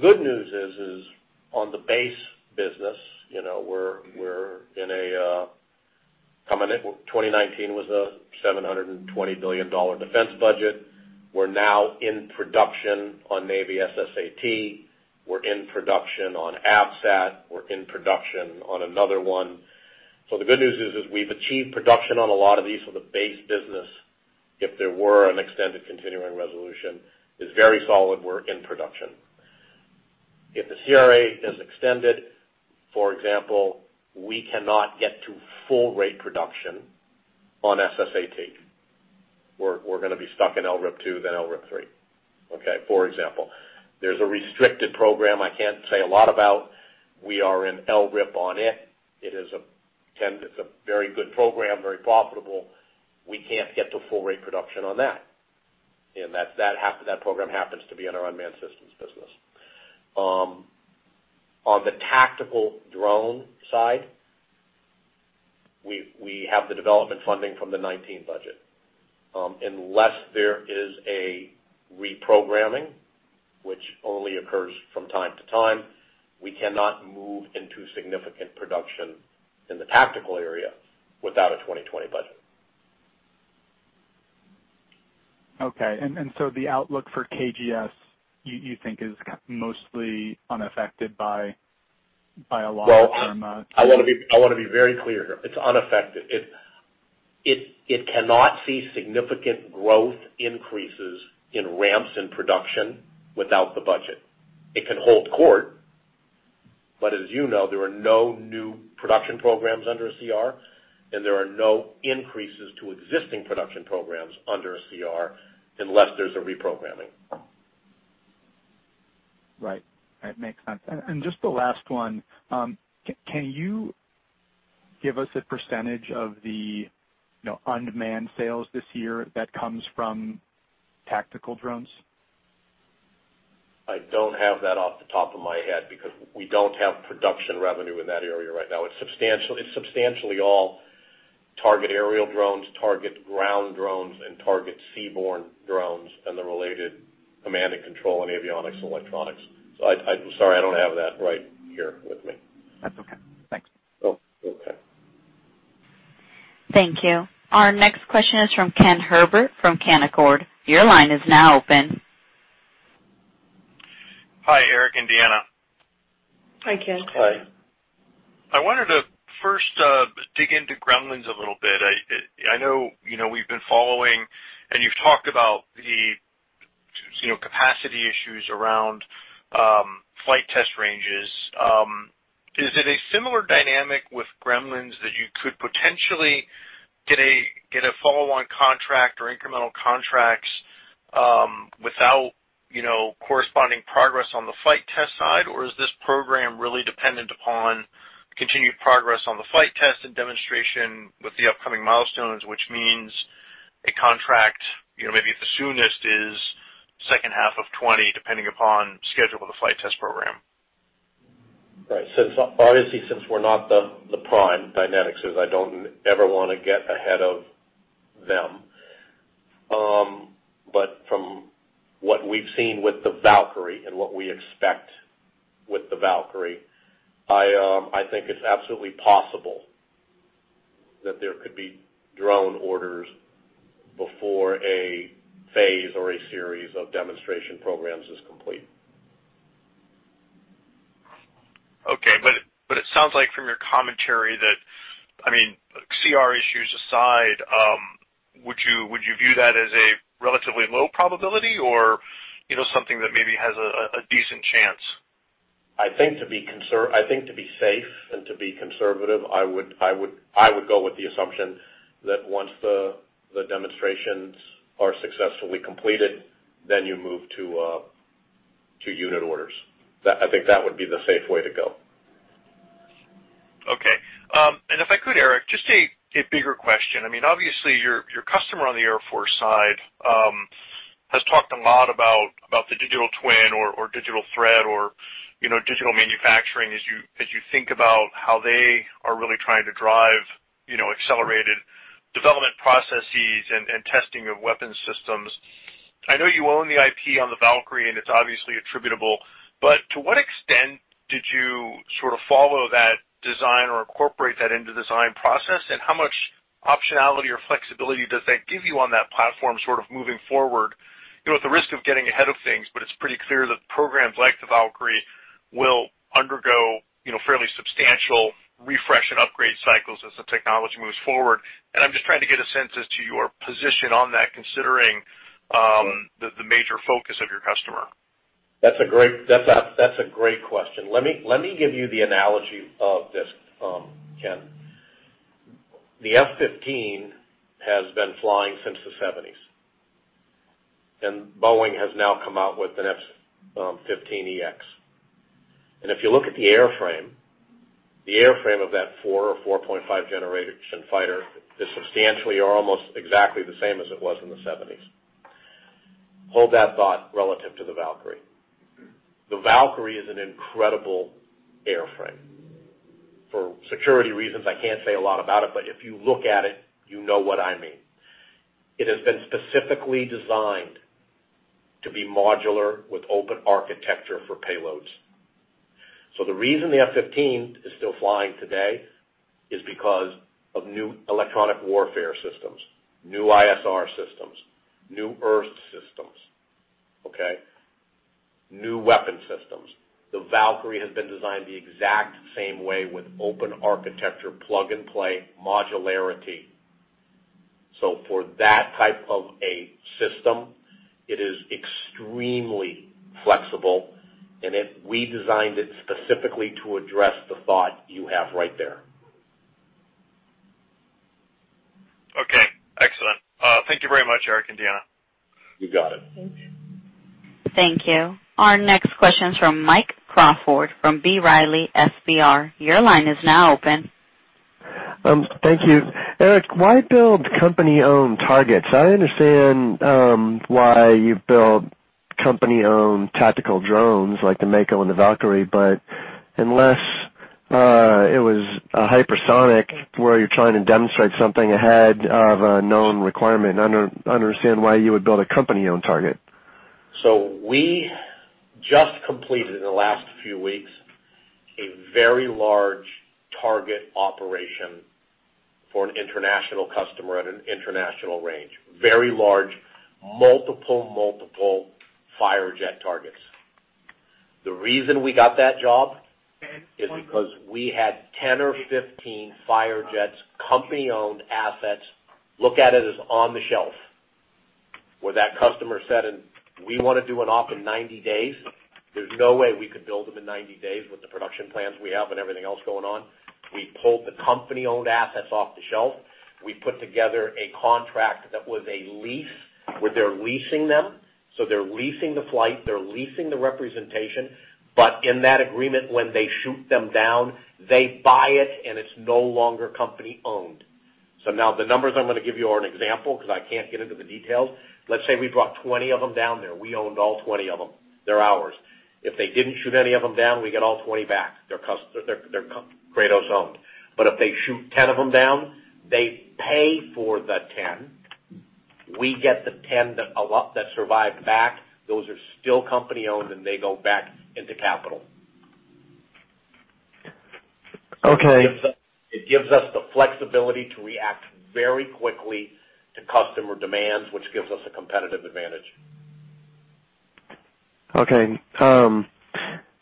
[SPEAKER 3] good news is on the base business, 2019 was a $720 billion defense budget. We're now in production on Navy SSAT. We're in production on AFSAT. We're in production on another one. The good news is we've achieved production on a lot of these for the base business. If there were an extended continuing resolution, it's very solid. We're in production. If the CR is extended, for example, we cannot get to full rate production on SSAT. We're going to be stuck in LRIP-2, then LRIP-3. Okay? For example. There's a restricted program I can't say a lot about. We are in LRIP on it. It is a very good program, very profitable. We can't get to full rate production on that. That program happens to be in our unmanned systems business. On the tactical drone side, we have the development funding from the 2019 budget. Unless there is a reprogramming, which only occurs from time to time, we cannot move into significant production in the tactical area without a 2020 budget.
[SPEAKER 7] Okay. The outlook for KGS, you think is mostly unaffected by a long-term-
[SPEAKER 3] Well, I want to be very clear here. It's unaffected. It cannot see significant growth increases in ramps in production without the budget. It can hold court, but as you know, there are no new production programs under a CR, and there are no increases to existing production programs under a CR unless there's a reprogramming.
[SPEAKER 7] Right. That makes sense. Just the last one. Can you give us a % of the unmanned sales this year that comes from tactical drones?
[SPEAKER 3] I don't have that off the top of my head because we don't have production revenue in that area right now. It's substantially all target aerial drones, target ground drones, and target seaborne drones, and the related command and control and avionics and electronics. Sorry, I don't have that right here with me.
[SPEAKER 7] That's okay. Thanks.
[SPEAKER 3] Okay.
[SPEAKER 1] Thank you. Our next question is from Ken Herbert from Canaccord. Your line is now open.
[SPEAKER 8] Hi, Eric and Deanna.
[SPEAKER 4] Hi, Ken.
[SPEAKER 3] Hi.
[SPEAKER 8] I wanted to first dig into Gremlins a little bit. I know we've been following, and you've talked about the capacity issues around flight test ranges. Is it a similar dynamic with Gremlins that you could potentially get a follow-on contract or incremental contracts without corresponding progress on the flight test side? Or is this program really dependent upon continued progress on the flight test and demonstration with the upcoming milestones, which means a contract, maybe at the soonest, is second half of 2020, depending upon schedule of the flight test program?
[SPEAKER 3] Right. Obviously, since we're not the prime, Dynetics is. I don't ever want to get ahead of them. From what we've seen with the Valkyrie and what we expect with the Valkyrie, I think it's absolutely possible that there could be drone orders before a phase or a series of demonstration programs is complete.
[SPEAKER 8] Okay. It sounds like from your commentary that, CR issues aside, would you view that as a relatively low probability or something that maybe has a decent chance?
[SPEAKER 3] I think to be safe and to be conservative, I would go with the assumption that once the demonstrations are successfully completed, then you move to unit orders. I think that would be the safe way to go.
[SPEAKER 8] Okay. If I could, Eric, just a bigger question. Obviously, your customer on the Air Force side has talked a lot about the digital twin or digital thread or digital manufacturing as you think about how they are really trying to drive accelerated development processes and testing of weapons systems. I know you own the IP on the Valkyrie, and it's obviously attributable, but to what extent did you sort of follow that design or incorporate that into design process, and how much optionality or flexibility does that give you on that platform sort of moving forward? At the risk of getting ahead of things, but it's pretty clear that programs like the Valkyrie will undergo fairly substantial refresh and upgrade cycles as the technology moves forward. I'm just trying to get a sense as to your position on that, considering the major focus of your customer.
[SPEAKER 3] That's a great question. Let me give you the analogy of this, Ken. The F-15 has been flying since the '70s. Boeing has now come out with an F-15EX. If you look at the airframe, the airframe of that 4 or 4.5 generation fighter is substantially or almost exactly the same as it was in the '70s. Hold that thought relative to the Valkyrie. The Valkyrie is an incredible airframesecurity reasons, I can't say a lot about it, but if you look at it, you know what I mean. It has been specifically designed to be modular with open architecture for payloads. The reason the F-15 is still flying today is because of new electronic warfare systems, new ISR systems, new IRST systems, okay? New weapon systems. The Valkyrie has been designed the exact same way with open architecture, plug and play modularity. For that type of a system, it is extremely flexible, and we designed it specifically to address the thought you have right there.
[SPEAKER 8] Okay. Excellent. Thank you very much, Eric and Deanna.
[SPEAKER 4] You got it. Thank you.
[SPEAKER 1] Thank you. Our next question is from Mike Crawford from B. Riley FBR. Your line is now open.
[SPEAKER 9] Thank you. Eric, why build company-owned targets? I understand why you build company-owned tactical drones like the Mako and the Valkyrie, but unless it was a hypersonic where you're trying to demonstrate something ahead of a known requirement, I don't understand why you would build a company-owned target.
[SPEAKER 3] We just completed, in the last few weeks, a very large target operation for an international customer at an international range. Very large, multiple Firejet targets. The reason we got that job is because we had 10 or 15 Firejets, company-owned assets. Look at it as on the shelf, where that customer said, "We want to do an op in 90 days." There's no way we could build them in 90 days with the production plans we have and everything else going on. We pulled the company-owned assets off the shelf. We put together a contract that was a lease, where they're leasing them. They're leasing the flight, they're leasing the representation. In that agreement, when they shoot them down, they buy it, and it's no longer company owned. Now the numbers I'm going to give you are an example because I can't get into the details. Let's say we brought 20 of them down there. We owned all 20 of them. They're ours. If they didn't shoot any of them down, we get all 20 back. They're Kratos owned. If they shoot 10 of them down, they pay for the 10. We get the 10 that survived back. Those are still company owned, and they go back into capital.
[SPEAKER 9] Okay.
[SPEAKER 3] It gives us the flexibility to react very quickly to customer demands, which gives us a competitive advantage.
[SPEAKER 9] Okay.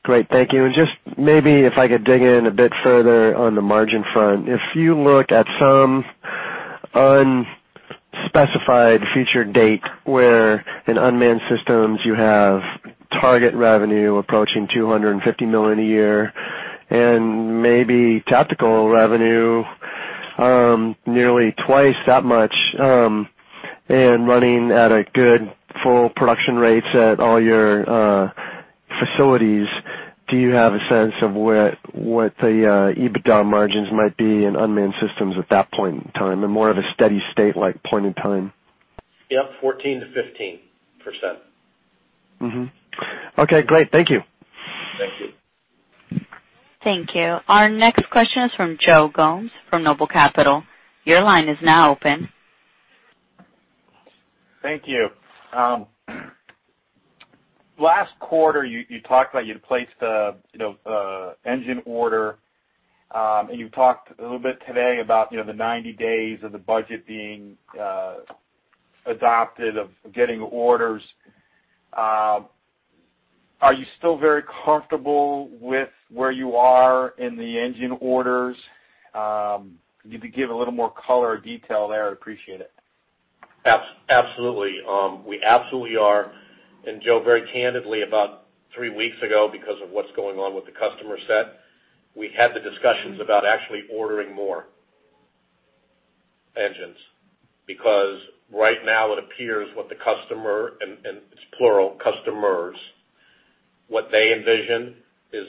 [SPEAKER 9] Great, thank you. Just maybe if I could dig in a bit further on the margin front. If you look at some unspecified future date where in unmanned systems you have target revenue approaching $250 million a year and maybe tactical revenue nearly twice that much, and running at a good full production rates at all your facilities, do you have a sense of what the EBITDA margins might be in unmanned systems at that point in time? In more of a steady state like point in time.
[SPEAKER 3] Yep, 14%-15%.
[SPEAKER 9] Mm-hmm. Okay, great. Thank you.
[SPEAKER 3] Thank you.
[SPEAKER 1] Thank you. Our next question is from Joe Gomes from Noble Capital. Your line is now open.
[SPEAKER 10] Thank you. Last quarter, you talked about you'd placed the engine order, and you've talked a little bit today about the 90 days of the budget being adopted, of getting orders. Are you still very comfortable with where you are in the engine orders? Could you give a little more color or detail there, I'd appreciate it.
[SPEAKER 3] Absolutely. We absolutely are. Joe, very candidly, about three weeks ago, because of what's going on with the customer set, we had the discussions about actually ordering more engines. Right now it appears what the customer, and it's plural, customers, what they envision is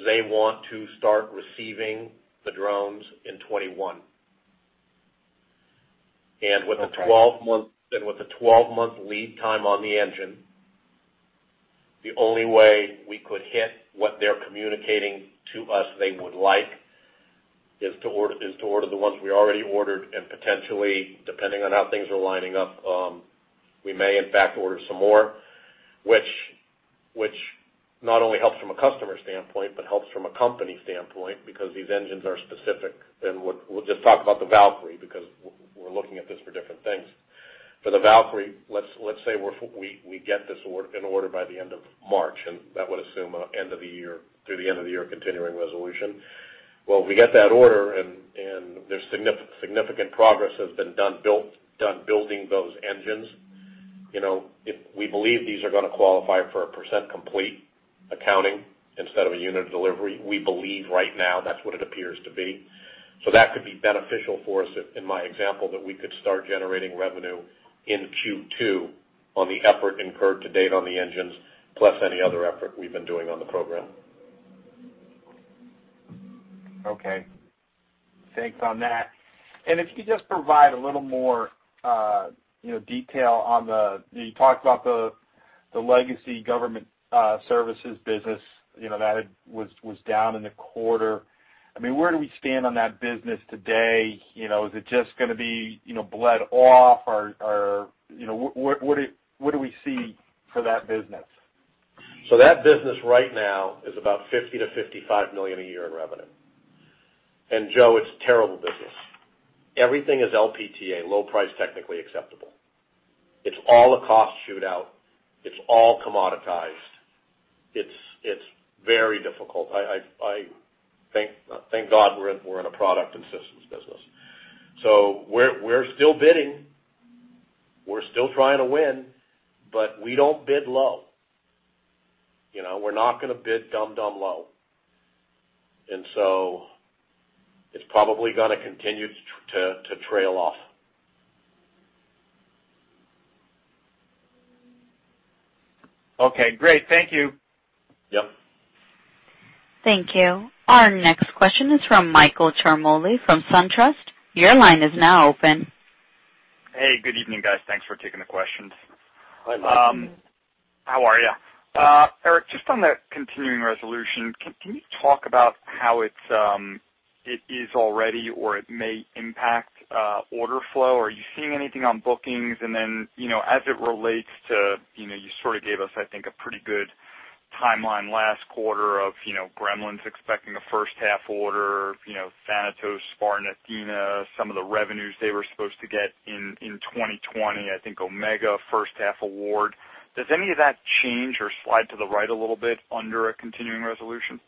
[SPEAKER 3] they want to start receiving the drones in 2021.
[SPEAKER 10] Okay.
[SPEAKER 3] With the 12-month lead time on the engine, the only way we could hit what they're communicating to us they would like is to order the ones we already ordered, and potentially, depending on how things are lining up, we may in fact order some more, which not only helps from a customer standpoint but helps from a company standpoint because these engines are specific. We'll just talk about the Valkyrie, because we're looking at this for different things. For the Valkyrie, let's say we get this in order by the end of March, and that would assume through the end of the year Continuing Resolution. We get that order, and significant progress has been done building those engines. We believe these are going to qualify for a % complete accounting instead of a unit delivery. We believe right now that's what it appears to be. That could be beneficial for us, in my example, that we could start generating revenue in Q2 on the effort incurred to date on the engines, plus any other effort we've been doing on the program.
[SPEAKER 10] Okay. Thanks on that. If you could just provide a little more detail on the, you talked about the legacy government services business that was down in the quarter. Where do we stand on that business today? Is it just going to be bled off or what do we see for that business?
[SPEAKER 3] That business right now is about $50 million-$55 million a year in revenue. Joe, it's a terrible business. Everything is LPTA, low price technically acceptable. It's all a cost shootout. It's all commoditized. It's very difficult. Thank God we're in a product and systems business. We're still bidding. We're still trying to win, but we don't bid low. We're not going to bid dumb low. It's probably going to continue to trail off.
[SPEAKER 10] Okay, great. Thank you.
[SPEAKER 3] Yep.
[SPEAKER 1] Thank you. Our next question is from Michael Ciarmoli of SunTrust. Your line is now open.
[SPEAKER 11] Hey, good evening, guys. Thanks for taking the questions.
[SPEAKER 3] Hi, Michael.
[SPEAKER 11] How are you? Eric, just on the continuing resolution, can you talk about how it is already, or it may impact order flow? Are you seeing anything on bookings? As it relates to, you sort of gave us, I think, a pretty good timeline last quarter of Gremlins expecting a first half order, Thanatos, Spartan Athena, some of the revenues they were supposed to get in 2020. I think Omega first half award. Does any of that change or slide to the right a little bit under a continuing resolution?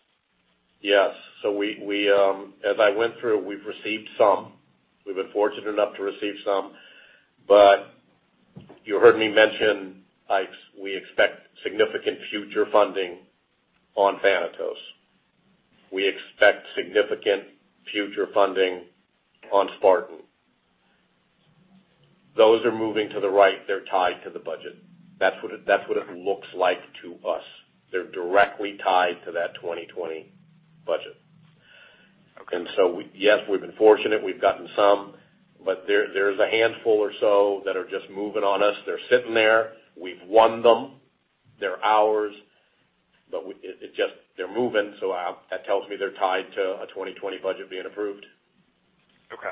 [SPEAKER 3] Yes. As I went through, we've received some. We've been fortunate enough to receive some. You heard me mention we expect significant future funding on Thanatos. We expect significant future funding on Spartan. Those are moving to the right, they're tied to the budget. That's what it looks like to us. They're directly tied to that 2020 budget.
[SPEAKER 11] Okay.
[SPEAKER 3] Yes, we've been fortunate. We've gotten some, but there's a handful or so that are just moving on us. They're sitting there. We've won them. They're ours, but they're moving, so that tells me they're tied to a 2020 budget being approved.
[SPEAKER 11] Okay.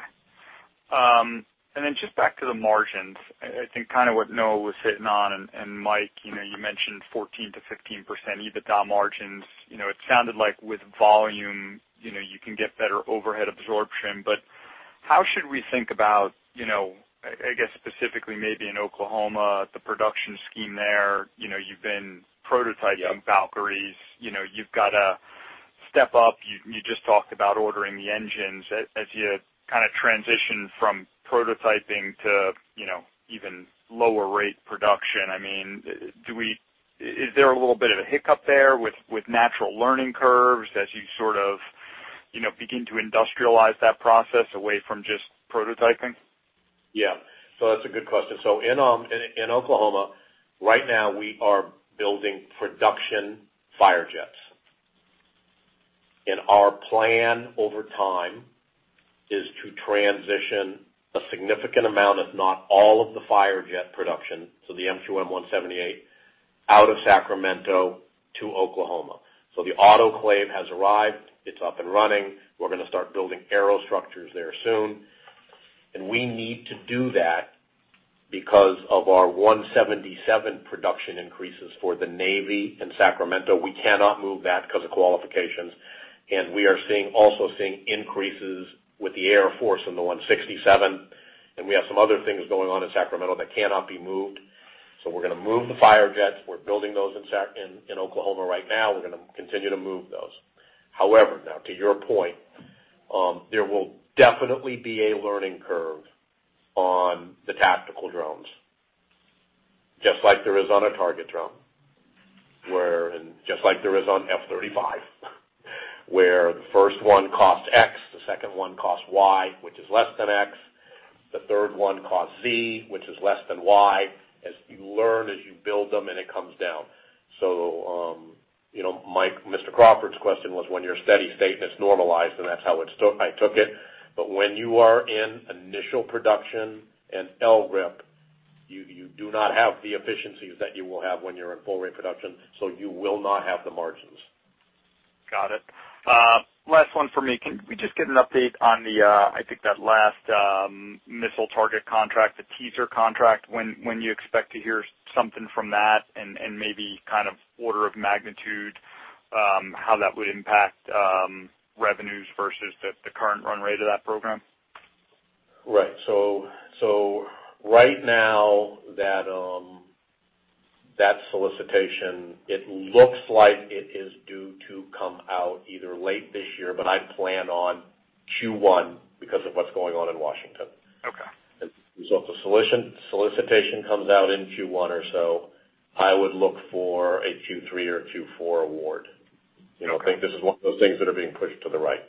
[SPEAKER 11] Just back to the margins, I think kind of what Noah was hitting on, and Mike, you mentioned 14%-15% EBITDA margins. It sounded like with volume, you can get better overhead absorption. How should we think about, I guess specifically maybe in Oklahoma, the production scheme there, you've been prototyping Valkyries? You've got to step up. You just talked about ordering the engines. As you kind of transition from prototyping to even lower rate production, is there a little bit of a hiccup there with natural learning curves as you sort of begin to industrialize that process away from just prototyping?
[SPEAKER 3] That's a good question. In Oklahoma, right now we are building production Firejets. Our plan over time is to transition a significant amount, if not all of the Firejet production, so the MQM-178, out of Sacramento to Oklahoma. The autoclave has arrived. It's up and running. We're going to start building aerostructures there soon. We need to do that because of our 177 production increases for the Navy in Sacramento. We cannot move that because of qualifications. We are also seeing increases with the Air Force in the 167, and we have some other things going on in Sacramento that cannot be moved. We're going to move the Firejets. We're building those in Oklahoma right now. We're going to continue to move those. However, now to your point, there will definitely be a learning curve on the tactical drones, just like there is on a target drone, and just like there is on F-35, where the first one costs X, the second one costs Y, which is less than X. The third one costs Z, which is less than Y, as you learn, as you build them, and it comes down. Mr. Crawford's question was when your steady state is normalized, and that's how I took it. When you are in initial production and LRIP, you do not have the efficiencies that you will have when you're in full rate production, so you will not have the margins.
[SPEAKER 11] Got it. Last one from me. Can we just get an update on the, I think that last missile target contract, the teaser contract, when you expect to hear something from that and maybe kind of order of magnitude, how that would impact revenues versus the current run rate of that program?
[SPEAKER 3] Right. Right now that solicitation, it looks like it is due to come out either late this year, but I plan on Q1 because of what's going on in Washington.
[SPEAKER 11] Okay.
[SPEAKER 3] If the solicitation comes out in Q1 or so, I would look for a Q3 or Q4 award. I think this is one of those things that are being pushed to the right.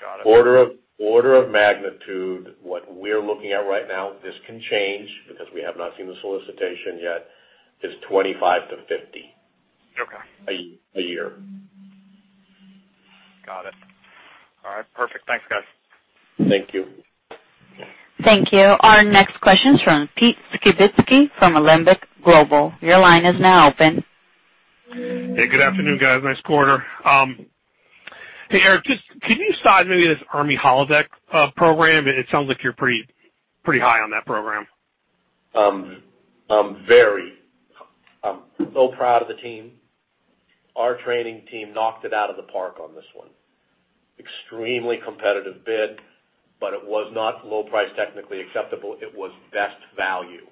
[SPEAKER 11] Got it.
[SPEAKER 3] Order of magnitude, what we're looking at right now, this can change because we have not seen the solicitation yet, is $25-$50.
[SPEAKER 11] Okay.
[SPEAKER 3] A year. Thank you.
[SPEAKER 1] Thank you. Our next question is from Pete Skibitsky from Alembic Global. Your line is now open.
[SPEAKER 12] Hey, good afternoon, guys. Nice quarter. Hey, Eric, can you size maybe this Army Holodeck program? It sounds like you're pretty high on that program.
[SPEAKER 3] Very. I'm so proud of the team. Our training team knocked it out of the park on this one. Extremely competitive bid, it was not low price technically acceptable. It was best value.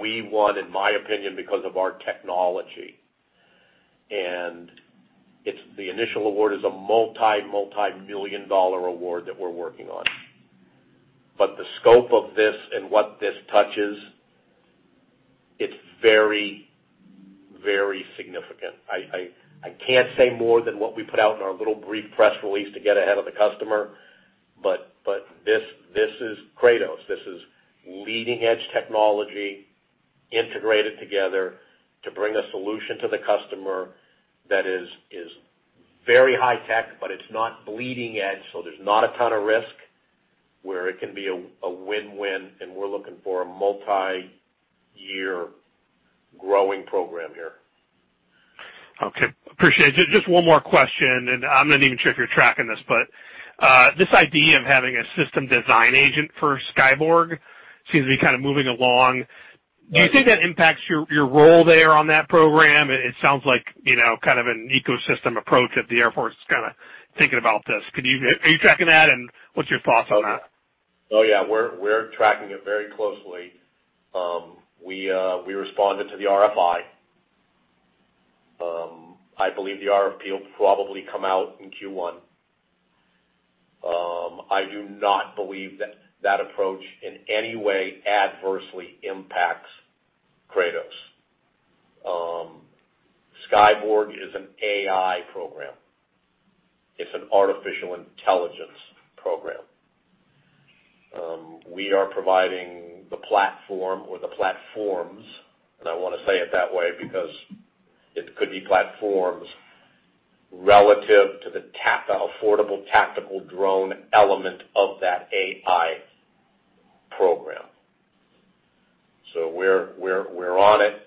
[SPEAKER 3] We won, in my opinion, because of our technology. The initial award is a multi-million dollar award that we're working on. The scope of this and what this touches, it's very, very significant. I can't say more than what we put out in our little brief press release to get ahead of the customer. This is Kratos. This is leading-edge technology integrated together to bring a solution to the customer that is very high tech, but it's not bleeding edge, so there's not a ton of risk where it can be a win-win. We're looking for a multi-year growing program here.
[SPEAKER 12] Okay. Appreciate it. Just one more question, and I'm not even sure if you're tracking this, but this idea of having a system design agent for Skyborg seems to be kind of moving along.
[SPEAKER 3] Right.
[SPEAKER 12] Do you think that impacts your role there on that program? It sounds like kind of an ecosystem approach that the Air Force is kind of thinking about this. Are you tracking that? What's your thoughts on that?
[SPEAKER 3] Yeah. We're tracking it very closely. We responded to the RFI. I believe the RFP will probably come out in Q1. I do not believe that approach in any way adversely impacts Kratos. Skyborg is an AI program. It's an artificial intelligence program. We are providing the platform or the platforms, and I want to say it that way because it could be platforms relative to the affordable tactical drone element of that AI program. We're on it.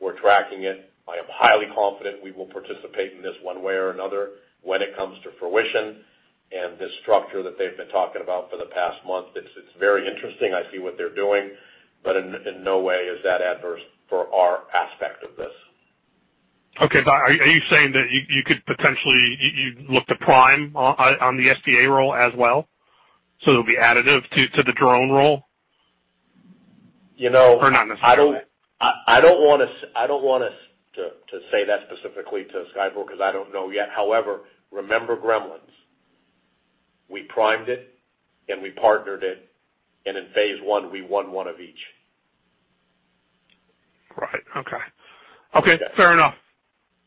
[SPEAKER 3] We're tracking it. I am highly confident we will participate in this one way or another when it comes to fruition. This structure that they've been talking about for the past month, it's very interesting. I see what they're doing, but in no way is that adverse for our aspect of this.
[SPEAKER 12] Okay. Are you saying that you could potentially look to prime on the SDA role as well, so it'll be additive to the drone role?
[SPEAKER 3] You know.
[SPEAKER 12] Not necessarily?
[SPEAKER 3] I don't want us to say that specifically to Skyborg because I don't know yet. However, remember Gremlins. We primed it, and we partnered it, and in phase one, we won one of each.
[SPEAKER 12] Right. Okay. Okay. Fair enough.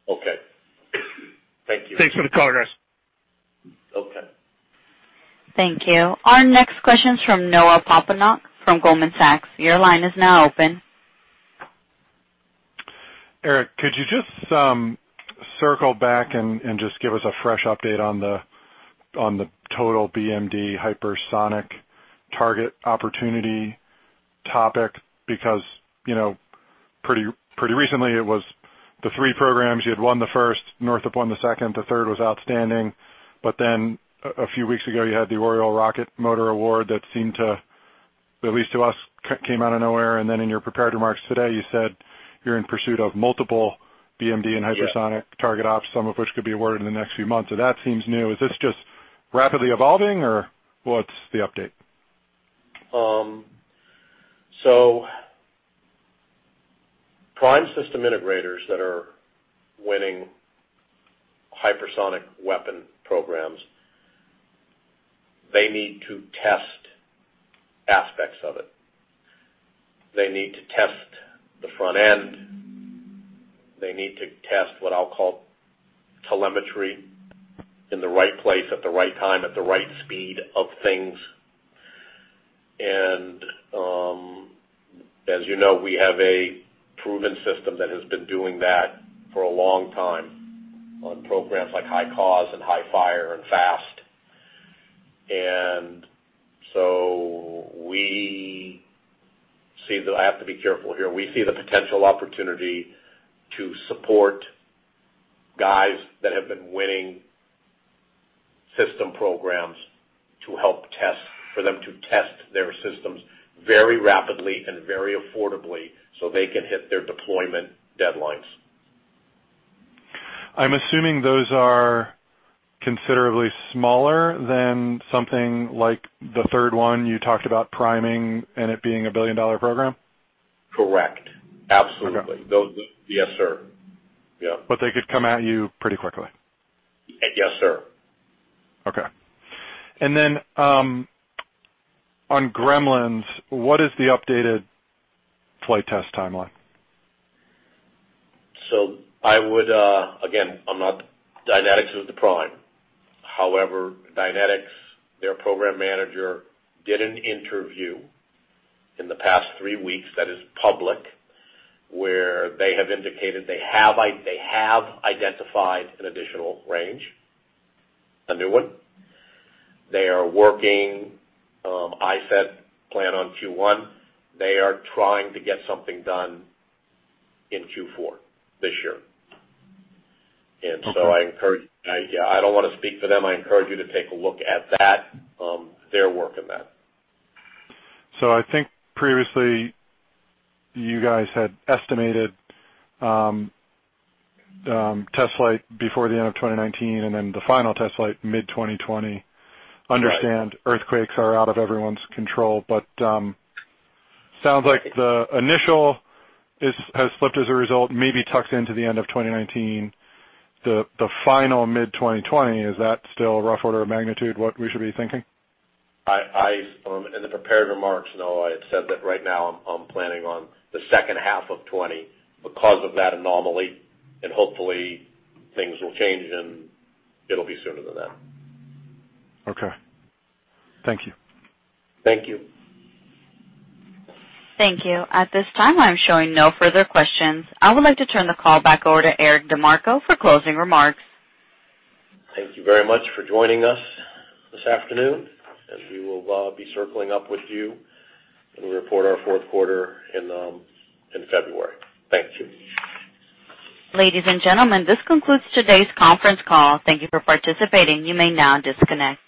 [SPEAKER 3] Okay. Thank you.
[SPEAKER 12] Thanks for the color, guys.
[SPEAKER 3] Okay.
[SPEAKER 1] Thank you. Our next question's from Noah Poponak from Goldman Sachs. Your line is now open.
[SPEAKER 6] Eric, could you just circle back and just give us a fresh update on the total BMD hypersonic target opportunity topic? Pretty recently it was the three programs. You had won the first, Northrop won the second, the third was outstanding. A few weeks ago, you had the Oriole rocket motor award that seemed to, at least to us, came out of nowhere. In your prepared remarks today, you said you're in pursuit of multiple BMD and hypersonic.
[SPEAKER 3] Yes
[SPEAKER 6] target ops, some of which could be awarded in the next few months. That seems new. Is this just rapidly evolving, or what's the update?
[SPEAKER 3] Prime system integrators that are winning hypersonic weapon programs, they need to test aspects of it. They need to test the front end. They need to test what I'll call telemetry in the right place at the right time, at the right speed of things. As you know, we have a proven system that has been doing that for a long time on programs like HyCAUSE and HIFiRE and Fast. We see the I have to be careful here. We see the potential opportunity to support guys that have been winning system programs to help test for them to test their systems very rapidly and very affordably so they can hit their deployment deadlines.
[SPEAKER 6] I'm assuming those are considerably smaller than something like the third one you talked about priming and it being a billion-dollar program.
[SPEAKER 3] Correct. Absolutely.
[SPEAKER 6] Okay.
[SPEAKER 3] Yes, sir. Yeah.
[SPEAKER 6] They could come at you pretty quickly.
[SPEAKER 3] Yes, sir.
[SPEAKER 6] Okay. On Gremlins, what is the updated flight test timeline?
[SPEAKER 3] I would, again, Dynetics is the prime. However, Dynetics, their program manager did an interview in the past three weeks that is public, where they have indicated they have identified an additional range, a new one. They are working, I said, plan on Q1. They are trying to get something done in Q4 this year.
[SPEAKER 6] Okay.
[SPEAKER 3] I don't want to speak for them. I encourage you to take a look at that, their work in that.
[SPEAKER 6] I think previously you guys had estimated test flight before the end of 2019 and then the final test flight mid-2020.
[SPEAKER 3] Right.
[SPEAKER 6] Understand earthquakes are out of everyone's control. Sounds like the initial has slipped as a result, maybe tucks into the end of 2019. The final mid-2020, is that still a rough order of magnitude what we should be thinking?
[SPEAKER 3] In the prepared remarks, Noah, I had said that right now I'm planning on the second half of 2020 because of that anomaly, and hopefully things will change, and it'll be sooner than that.
[SPEAKER 6] Okay. Thank you.
[SPEAKER 3] Thank you.
[SPEAKER 1] Thank you. At this time, I'm showing no further questions. I would like to turn the call back over to Eric DeMarco for closing remarks.
[SPEAKER 3] Thank you very much for joining us this afternoon. We will be circling up with you when we report our fourth quarter in February. Thank you.
[SPEAKER 1] Ladies and gentlemen, this concludes today's conference call. Thank you for participating. You may now disconnect.